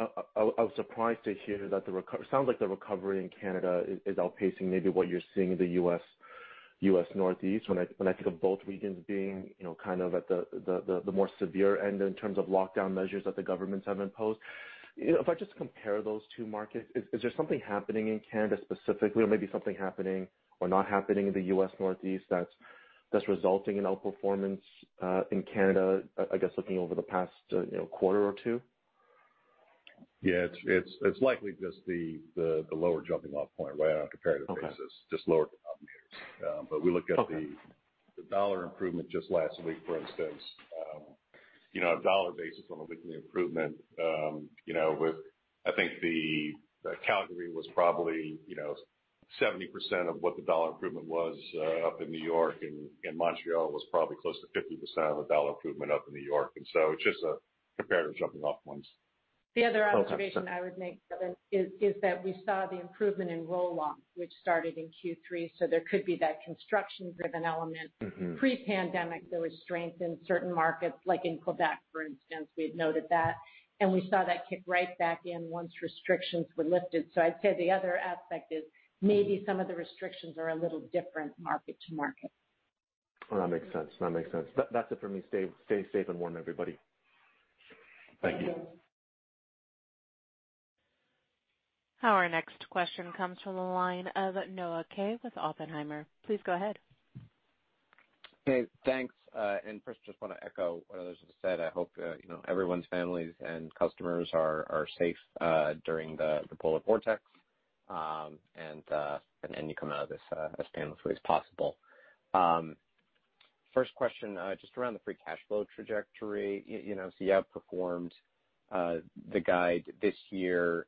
was surprised to hear that it sounds like the recovery in Canada is outpacing, maybe what you're seeing in the U.S. Northeast, when I think of both regions being kind of at the more severe end in terms of lockdown measures that the governments have imposed. If I just compare those two markets, is there something happening in Canada specifically, or maybe something happening or not happening in the U.S. Northeast that's resulting in outperformance in Canada, I guess, looking over the past quarter or two? Yeah. It's likely just the lower jumping off point right now on a comparative basis. Okay. Just lower comparatives. Okay The dollar improvement just last week, for instance. A dollar basis on a weekly improvement, I think Calgary was probably 70% of what the dollar improvement was up in New York, and Montreal was probably close to 50% of the dollar improvement up in New York. It's just a comparative jumping off points. Okay. The other observation I would make, Kevin, is that we saw the improvement in roll-off, which started in Q3, so there could be that construction-driven element. Pre-pandemic, there was strength in certain markets, like in Québec, for instance. We had noted that, and we saw that kick right back in once restrictions were lifted. I'd say the other aspect is maybe some of the restrictions are a little different market to market. That makes sense. That's it for me. Stay safe and warm, everybody. Thank you. Our next question comes from the line of Noah Kaye with Oppenheimer. Please go ahead. Hey, thanks. First just want to echo what others have said. I hope everyone's families and customers are safe during the polar vortex. You come out of this as painlessly as possible. First question, just around the free cash flow trajectory. You outperformed the guide this year,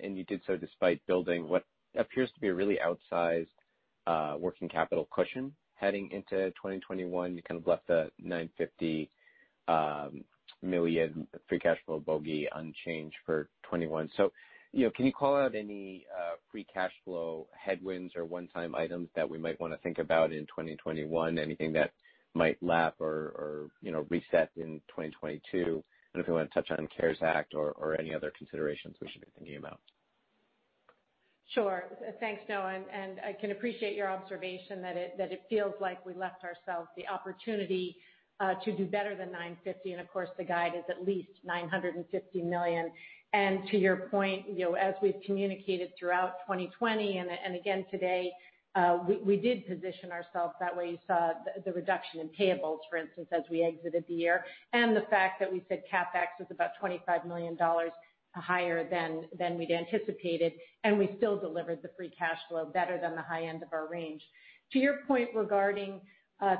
and you did so despite building what appears to be a really outsized working capital cushion heading into 2021. You kind of left the $950 million free cash flow bogey unchanged for 2021. Can you call out any free cash flow headwinds or one-time items that we might want to think about in 2021? Anything that might lap or reset in 2022, and if you want to touch on the CARES Act or any other considerations we should be thinking about. Sure. Thanks, Noah. I can appreciate your observation that it feels like we left ourselves the opportunity to do better than $950 million. Of course, the guide is at least $950 million. To your point, as we've communicated throughout 2020 and again today, we did position ourselves that way. You saw the reduction in payables, for instance, as we exited the year. The fact that we said CapEx was about $25 million higher than we'd anticipated, and we still delivered the free cash flow better than the high end of our range. To your point regarding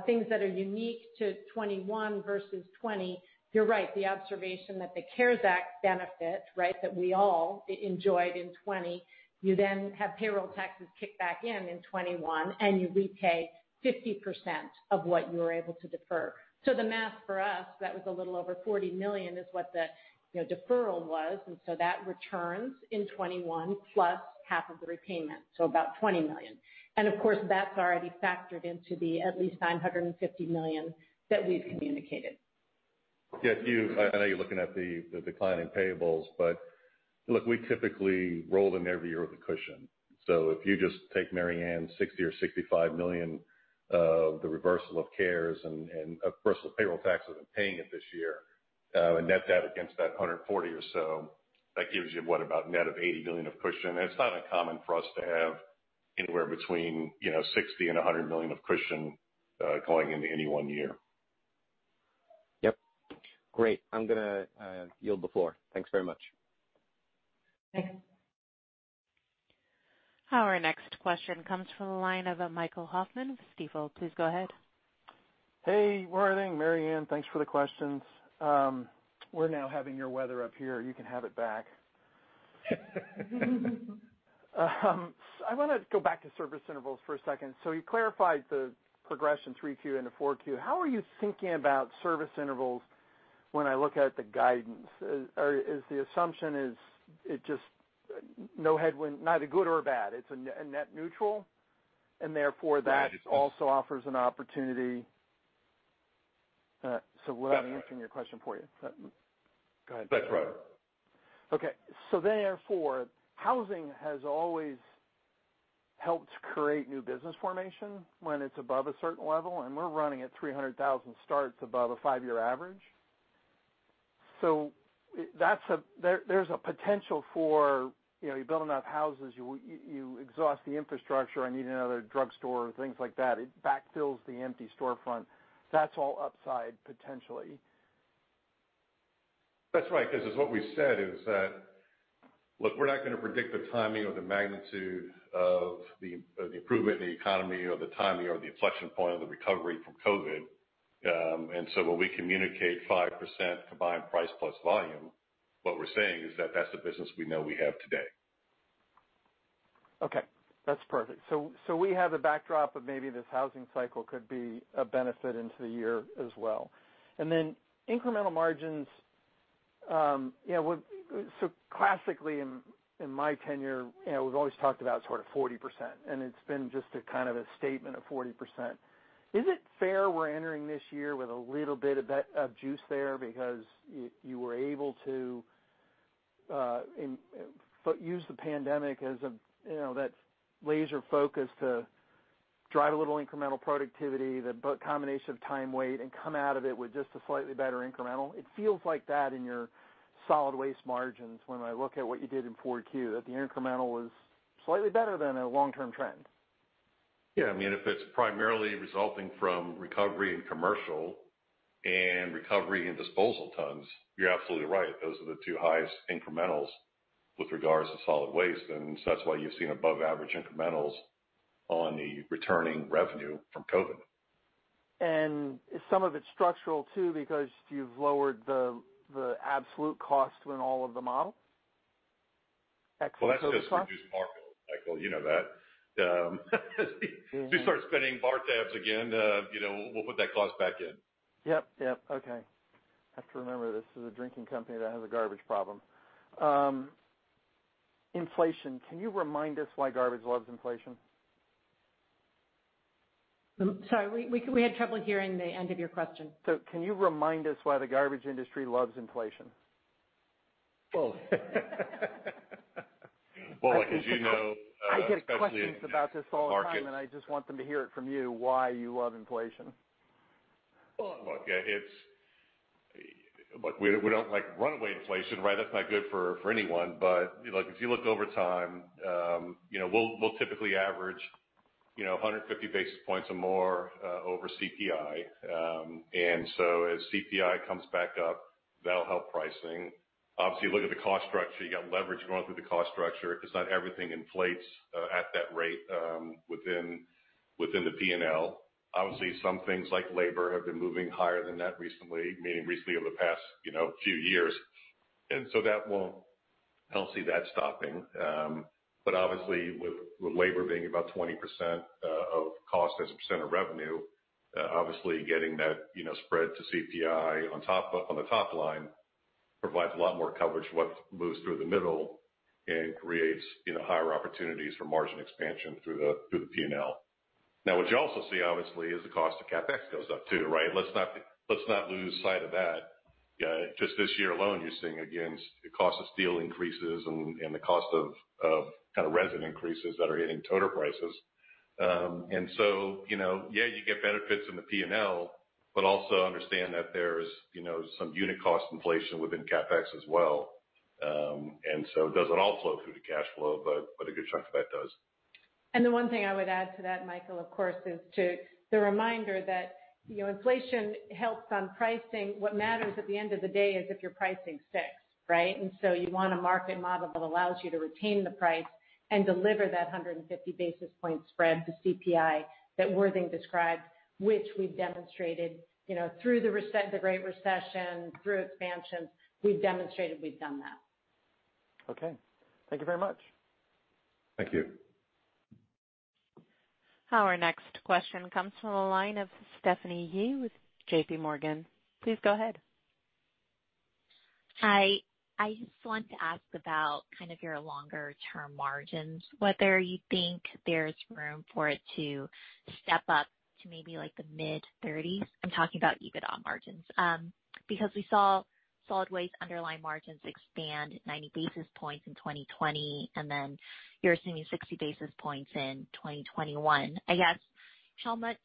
things that are unique to 2021 versus 2020, you're right. The observation that the CARES Act benefit that we all enjoyed in 2020, you then have payroll taxes kick back in in 2021, and you repay 50% of what you were able to defer. The math for us, that was a little over $40 million is what the deferral was, and so that returns in 2021, plus half of the repayment, so about $20 million. Of course, that's already factored into the at least $950 million that we've communicated. Yeah, I know you're looking at the decline in payables. Look, we typically roll in every year with a cushion. If you just take Mary Anne's $60 million or $65 million of the reversal of CARES and, of course, the payroll taxes and paying it this year, net that against that $140 or so, that gives you, what, about net of $80 million of cushion. It's not uncommon for us to have anywhere between $60 million-$100 million of cushion going into any one year. Yep. Great. I'm going to yield the floor. Thanks very much. Thanks. Our next question comes from the line of Michael Hoffman with Stifel. Please go ahead. Hey, morning, Mary Anne, thanks for the questions. We're now having your weather up here. You can have it back. I want to go back to service intervals for a second. You clarified the progression 3Q into 4Q. How are you thinking about service intervals when I look at the guidance? Is the assumption is it just no headwind, neither good or bad? It's a net neutral, and therefore that also offers an opportunity. Without answering your question for you. Go ahead. That's right. Okay. Therefore, housing has always helped create new business formation when it's above a certain level, and we're running at 300,000 starts above a five-year average. There's a potential for you building up houses, you exhaust the infrastructure, I need another drugstore and things like that. It backfills the empty storefront. That's all upside potentially. That's right, because what we said is that, look, we're not going to predict the timing or the magnitude of the improvement in the economy or the timing or the inflection point of the recovery from COVID. When we communicate 5% combined price plus volume, what we're saying is that that's the business we know we have today. Okay, that's perfect. We have the backdrop of maybe this housing cycle could be a benefit into the year as well. Then incremental margins, so classically in my tenure, we've always talked about sort of 40%, and it's been just a kind of a statement of 40%. Is it fair we're entering this year with a little bit of that juice there because you were able to use the pandemic as that laser focus to drive a little incremental productivity, the combination of time, weight, and come out of it with just a slightly better incremental? It feels like that in your solid waste margins when I look at what you did in Q4, that the incremental was slightly better than a long-term trend. Yeah. If it's primarily resulting from recovery in commercial and recovery in disposal tons, you're absolutely right. Those are the two highest incrementals with regards to solid waste; that's why you've seen above-average incrementals on the returning revenue from COVID. Some of it's structural, too, because you've lowered the absolute cost in all of the models? SG&A and COVID costs? Well, that's just reduced marginal, Michael, you know that. If we start spending bar tabs again, we'll put that cost back in. Yep. Okay. I have to remember, this is a drinking company that has a garbage problem. Inflation, can you remind us why garbage loves inflation? Sorry, we had trouble hearing the end of your question. Can you remind us why the garbage industry loves inflation? Well, as you know. I get questions about this all the time, and I just want them to hear it from you why you love inflation. Look, we don't like runaway inflation, right? That's not good for anyone. If you look over time, we'll typically average 150 basis points or more over CPI. As CPI comes back up, that'll help pricing. Obviously, look at the cost structure. You got leverage going through the cost structure, because not everything inflates at that rate within the P&L. Obviously, some things like labor have been moving higher than that recently, meaning recently over the past few years. I don't see that stopping. Obviously, with labor being about 20% of cost as a percent of revenue, obviously getting that spread to CPI on the top line provides a lot more coverage for what moves through the middle and creates higher opportunities for margin expansion through the P&L. Now, what you also see, obviously, is the cost of CapEx goes up, too, right? Let's not lose sight of that. Just this year alone, you're seeing, again, the cost of steel increases and the cost of resin increases that are hitting Toter prices. Yeah, you get benefits in the P&L, but also understand that there's some unit cost inflation within CapEx as well. It doesn't all flow through to cash flow, but a good chunk of that does. The one thing I would add to that, Michael, of course, is the reminder that inflation helps on pricing. What matters at the end of the day is if your pricing sticks, right? You want a market model that allows you to retain the price and deliver that 150 basis point spread to CPI that Worthing described, which we've demonstrated through the Great Recession, through expansion, we've demonstrated we've done that. Okay. Thank you very much. Thank you. Our next question comes from the line of Stephanie Yee with JPMorgan. Please go ahead. Hi. I just wanted to ask about kind of your longer-term margins, whether you think there's room for it to step up to maybe like the mid-30s. I'm talking about EBITDA margins. We saw solid waste underlying margins expand 90 basis points in 2020, and then you're assuming 60 basis points in 2021. I guess, how much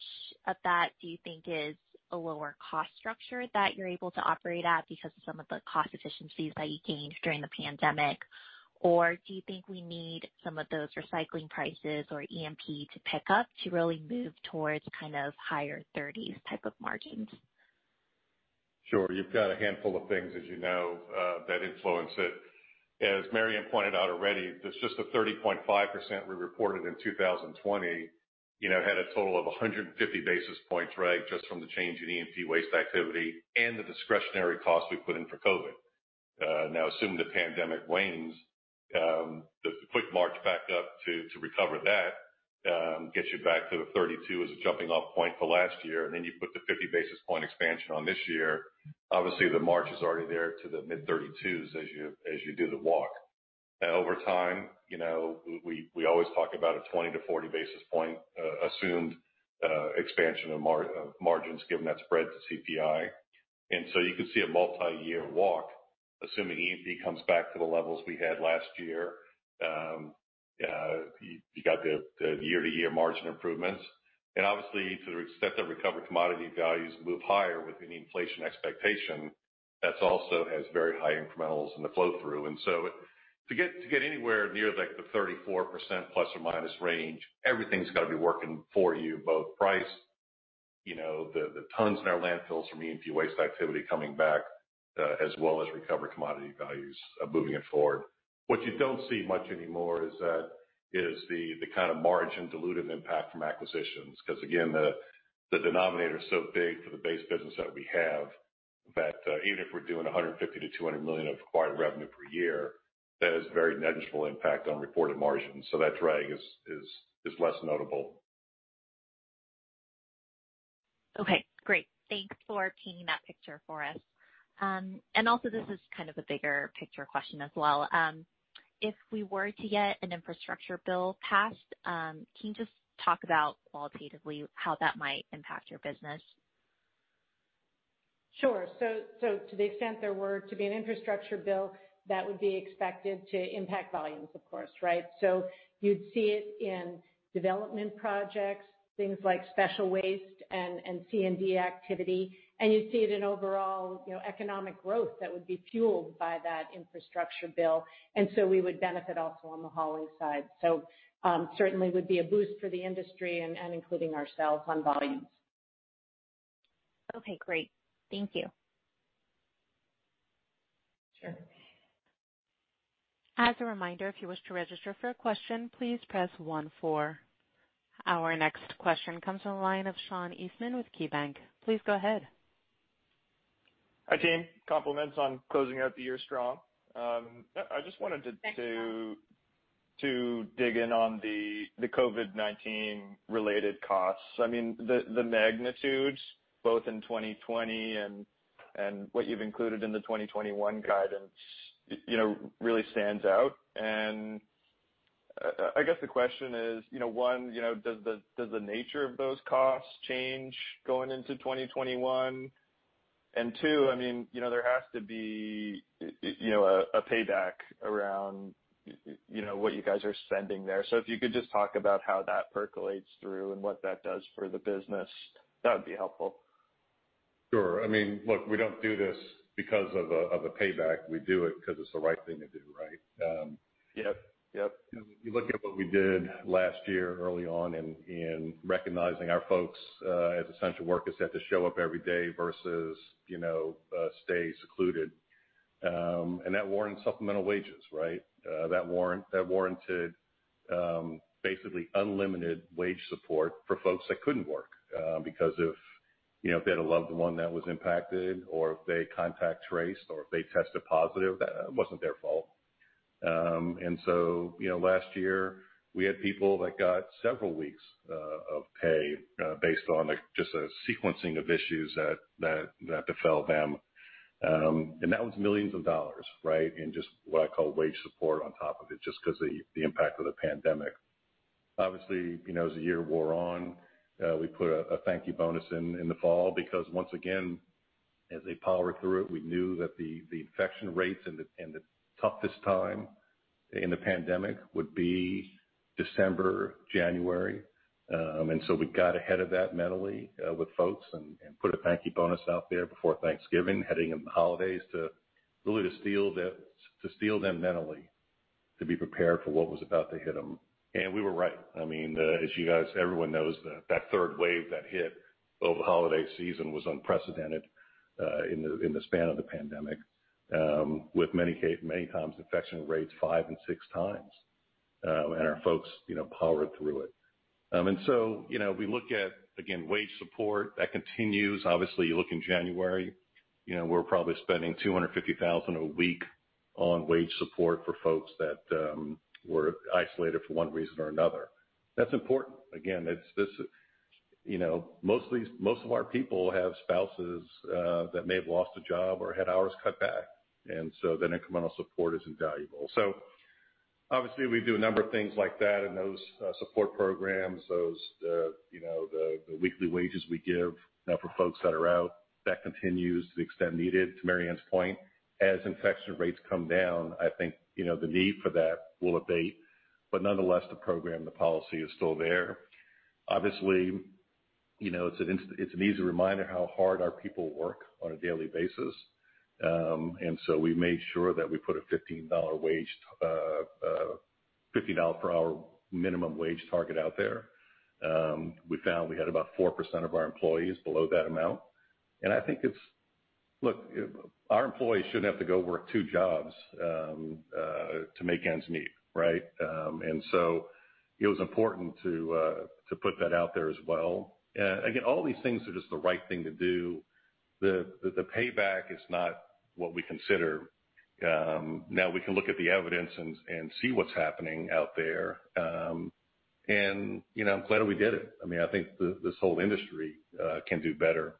of that do you think is a lower cost structure that you're able to operate at because of some of the cost efficiencies that you gained during the pandemic? Do you think we need some of those recycling prices or E&P to pick up to really move towards kind of higher 30s type of margins? Sure. You've got a handful of things, as you know, that influence it. As Mary Anne pointed out already, there's just a 30.5% we reported in 2020, had a total of 150 basis points right just from the change in E&P waste activity and the discretionary cost we put in for COVID. Assume the pandemic wanes, the quick march back up to recover that gets you back to the 32 as a jumping off point for last year, then you put the 50 basis point expansion on this year. Obviously, the march is already there to the mid-32s as you do the walk. Over time, we always talk about a 20-40 basis point assumed expansion of margins given that spread to CPI. You could see a multiyear walk, assuming E&P comes back to the levels we had last year. You got the year-to-year margin improvements. Obviously, to the extent that recovered commodity values move higher within the inflation expectation, that also has very high incrementals in the flow-through. So to get anywhere near the 34%± range, everything's got to be working for you, both price, the tons in our landfills from E&P waste activity coming back, as well as recovered commodity values moving it forward. What you don't see much anymore is the kind of margin dilutive impact from acquisitions, because again, the denominator is so big for the base business that we have that even if we're doing $150 million to $200 million of acquired revenue per year, that has a very negligible impact on reported margins. That drag is less notable. Okay, great. Thanks for painting that picture for us. Also, this is kind of a bigger picture question as well. If we were to get an infrastructure bill passed, can you just talk about qualitatively how that might impact your business? Sure. To the extent there were to be an infrastructure bill, that would be expected to impact volumes, of course, right? You'd see it in development projects, things like special waste and C&D activity, and you'd see it in overall economic growth that would be fueled by that infrastructure bill. We would benefit also on the hauling side. Certainly would be a boost for the industry and including ourselves on volumes. Okay, great. Thank you. Sure. As a reminder, if you wish to register for a question, please press one four. Our next question comes from the line of Sean Eastman with KeyBanc. Please go ahead. Hi, team. Compliments on closing out the year strong. Thanks, Sean. I just wanted to dig in on the COVID-19-related costs. I mean, the magnitudes, both in 2020 and what you've included in the 2021 guidance, really stands out. I guess the question is, one, does the nature of those costs change going into 2021? Two, there has to be a payback around what you guys are spending there. If you could just talk about how that percolates through and what that does for the business, that would be helpful. Sure. Look, we don't do this because of a payback. We do it because it's the right thing to do, right? Yep. You look at what we did last year, early on in recognizing our folks, as essential workers, had to show up every day versus stay secluded. That warrants supplemental wages, right? That warranted basically unlimited wage support for folks that couldn't work. If they had a loved one that was impacted, or if they contact traced, or if they tested positive, that wasn't their fault. Last year, we had people that got several weeks of pay, based on just a sequencing of issues that befell them. That was millions of dollars, right? In just what I call wage support on top of it, just because of the impact of the pandemic. Obviously, as the year wore on, we put a thank you bonus in the fall because once again, as they powered through it, we knew that the infection rates and the toughest time in the pandemic would be December, January. We got ahead of that mentally, with folks and put a thank you bonus out there before Thanksgiving, heading into the holidays to really steel them mentally to be prepared for what was about to hit them. We were right. As you guys, everyone knows, that third wave that hit over the holiday season was unprecedented in the span of the pandemic, with many times infection rates 5 and 6x. Our folks powered through it. We look at, again, wage support. That continues. You look in January, we're probably spending $250,000 a week on wage support for folks that were isolated for one reason or another. That's important. Most of our people have spouses that may have lost a job or had hours cut back; the incremental support is invaluable. Obviously, we do a number of things like that in those support programs. Those, the weekly wages we give for folks that are out, that continues to the extent needed. To Mary Anne's point, as infection rates come down, I think the need for that will abate. Nonetheless, the program, the policy is still there. Obviously, it's an easy reminder how hard our people work on a daily basis. We made sure that we put a $15 per hour minimum wage target out there. We found we had about 4% of our employees below that amount. I think, look, our employees shouldn't have to go work two jobs to make ends meet, right? It was important to put that out there as well. Again, all these things are just the right thing to do. The payback is not what we consider. Now we can look at the evidence and see what's happening out there. I'm glad we did it. I think this whole industry can do better,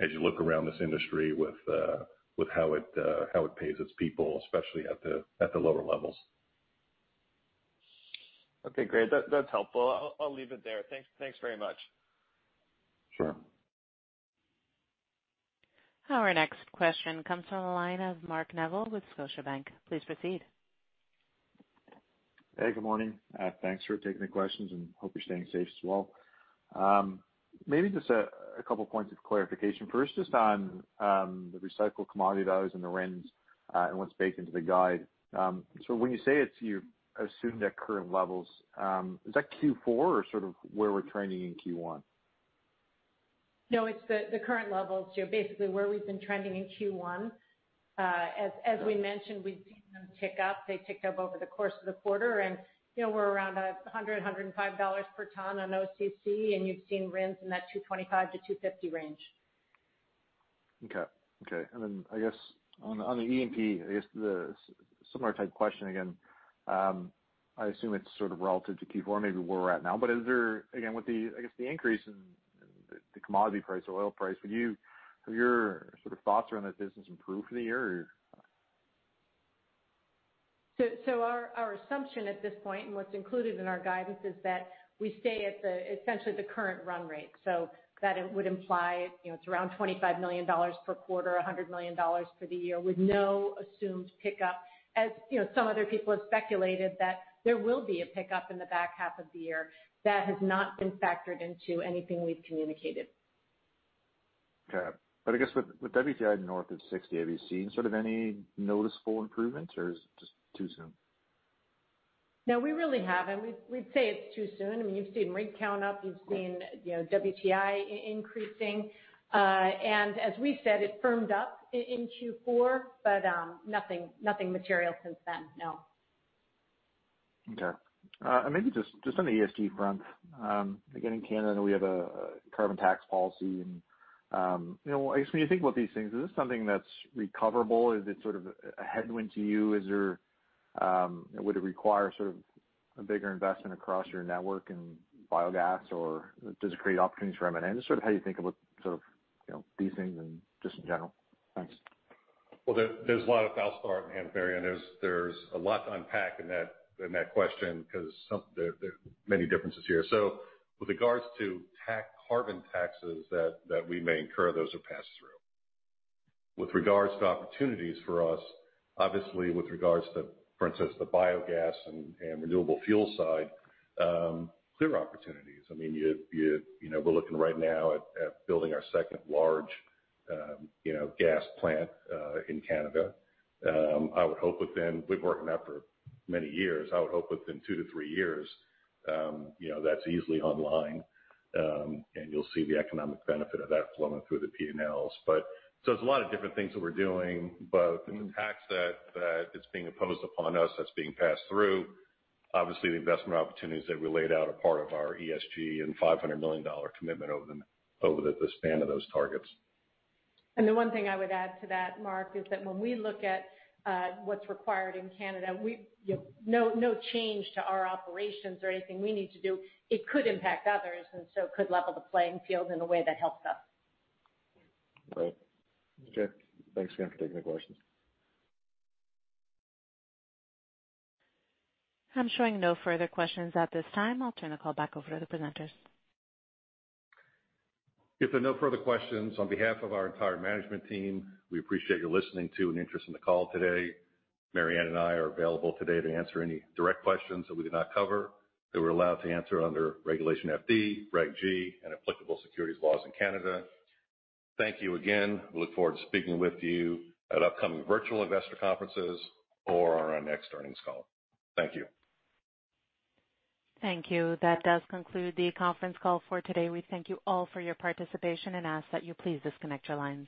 as you look around this industry with how it pays its people, especially at the lower levels. Okay, great. That's helpful. I'll leave it there. Thanks very much. Sure. Our next question comes from the line of Mark Neville with Scotiabank. Please proceed. Hey, good morning. Thanks for taking the questions, and hope you're staying safe as well. Maybe just a couple points of clarification. First, just on the recycled commodity dollars and the RINs, and what's baked into the guide. When you say it's assumed at current levels, is that Q4 or sort of where we're trending in Q1? No, it's the current levels. Basically, where we've been trending in Q1. As we mentioned, we've seen them tick up. They ticked up over the course of the quarter, and we're around $100, $105 per ton on OCC, and you've seen RINs in that 225 to 250 range. Okay. Then I guess on the E&P, I guess the similar type question again, I assume it's sort of relative to Q4, maybe where we're at now. But is there, again, with the increase in the commodity price or oil price, have your sort of thoughts around that business improved for the year or? Our assumption at this point, and what's included in our guidance, is that we stay at the essentially the current run rate. That it would imply it's around $25 million per quarter, $100 million for the year, with no assumed pickup. As some other people have speculated that, there will be a pickup in the back half of the year. That has not been factored into anything we've communicated. Okay. I guess with WTI north of 60, have you seen sort of any noticeable improvements, or is it just too soon? No, we really haven't. We'd say it's too soon. I mean, you've seen rig count up. You've seen WTI increasing. As we said, it firmed up in Q4, but nothing material since then, no. Okay. Maybe just on the ESG front, again, in Canada, we have a carbon tax policy. When you think about these things, is this something that's recoverable? Is it sort of a headwind to you? Would it require sort of a bigger investment across your network in biogas, or does it create opportunities for M&A? Just sort of how you think about these things and just in general. Thanks. There's a lot of false start, and Mary Anne, there's a lot to unpack in that question because there are many differences here. With regards to carbon taxes that we may incur, those are pass through. With regards to opportunities for us, obviously, with regards to, for instance, the biogas and renewable fuel side, clear opportunities. I mean, we're looking right now at building our second large gas plant in Canada. We've been working on that for many years. I would hope within two to three years, that's easily online, and you'll see the economic benefit of that flowing through the P&Ls. There's a lot of different things that we're doing, both in the tax that's being imposed upon us, that's being passed through. Obviously, the investment opportunities that we laid out are part of our ESG and $500 million commitment over the span of those targets. The one thing I would add to that, Mark, is that when we look at what's required in Canada, no change to our operations or anything we need to do. It could impact others, and so could level the playing field in a way that helps us. Right. Okay. Thanks again for taking the questions. I'm showing no further questions at this time. I'll turn the call back over to the presenters. If there are no further questions, on behalf of our entire management team, we appreciate your listening to and interest in the call today. Mary Anne and I are available today to answer any direct questions that we did not cover, that we're allowed to answer under Regulation FD, Regulation G, and applicable securities laws in Canada. Thank you again. We look forward to speaking with you at upcoming virtual investor conferences or on our next earnings call. Thank you. Thank you. That does conclude the conference call for today. We thank you all for your participation and ask that you please disconnect your lines.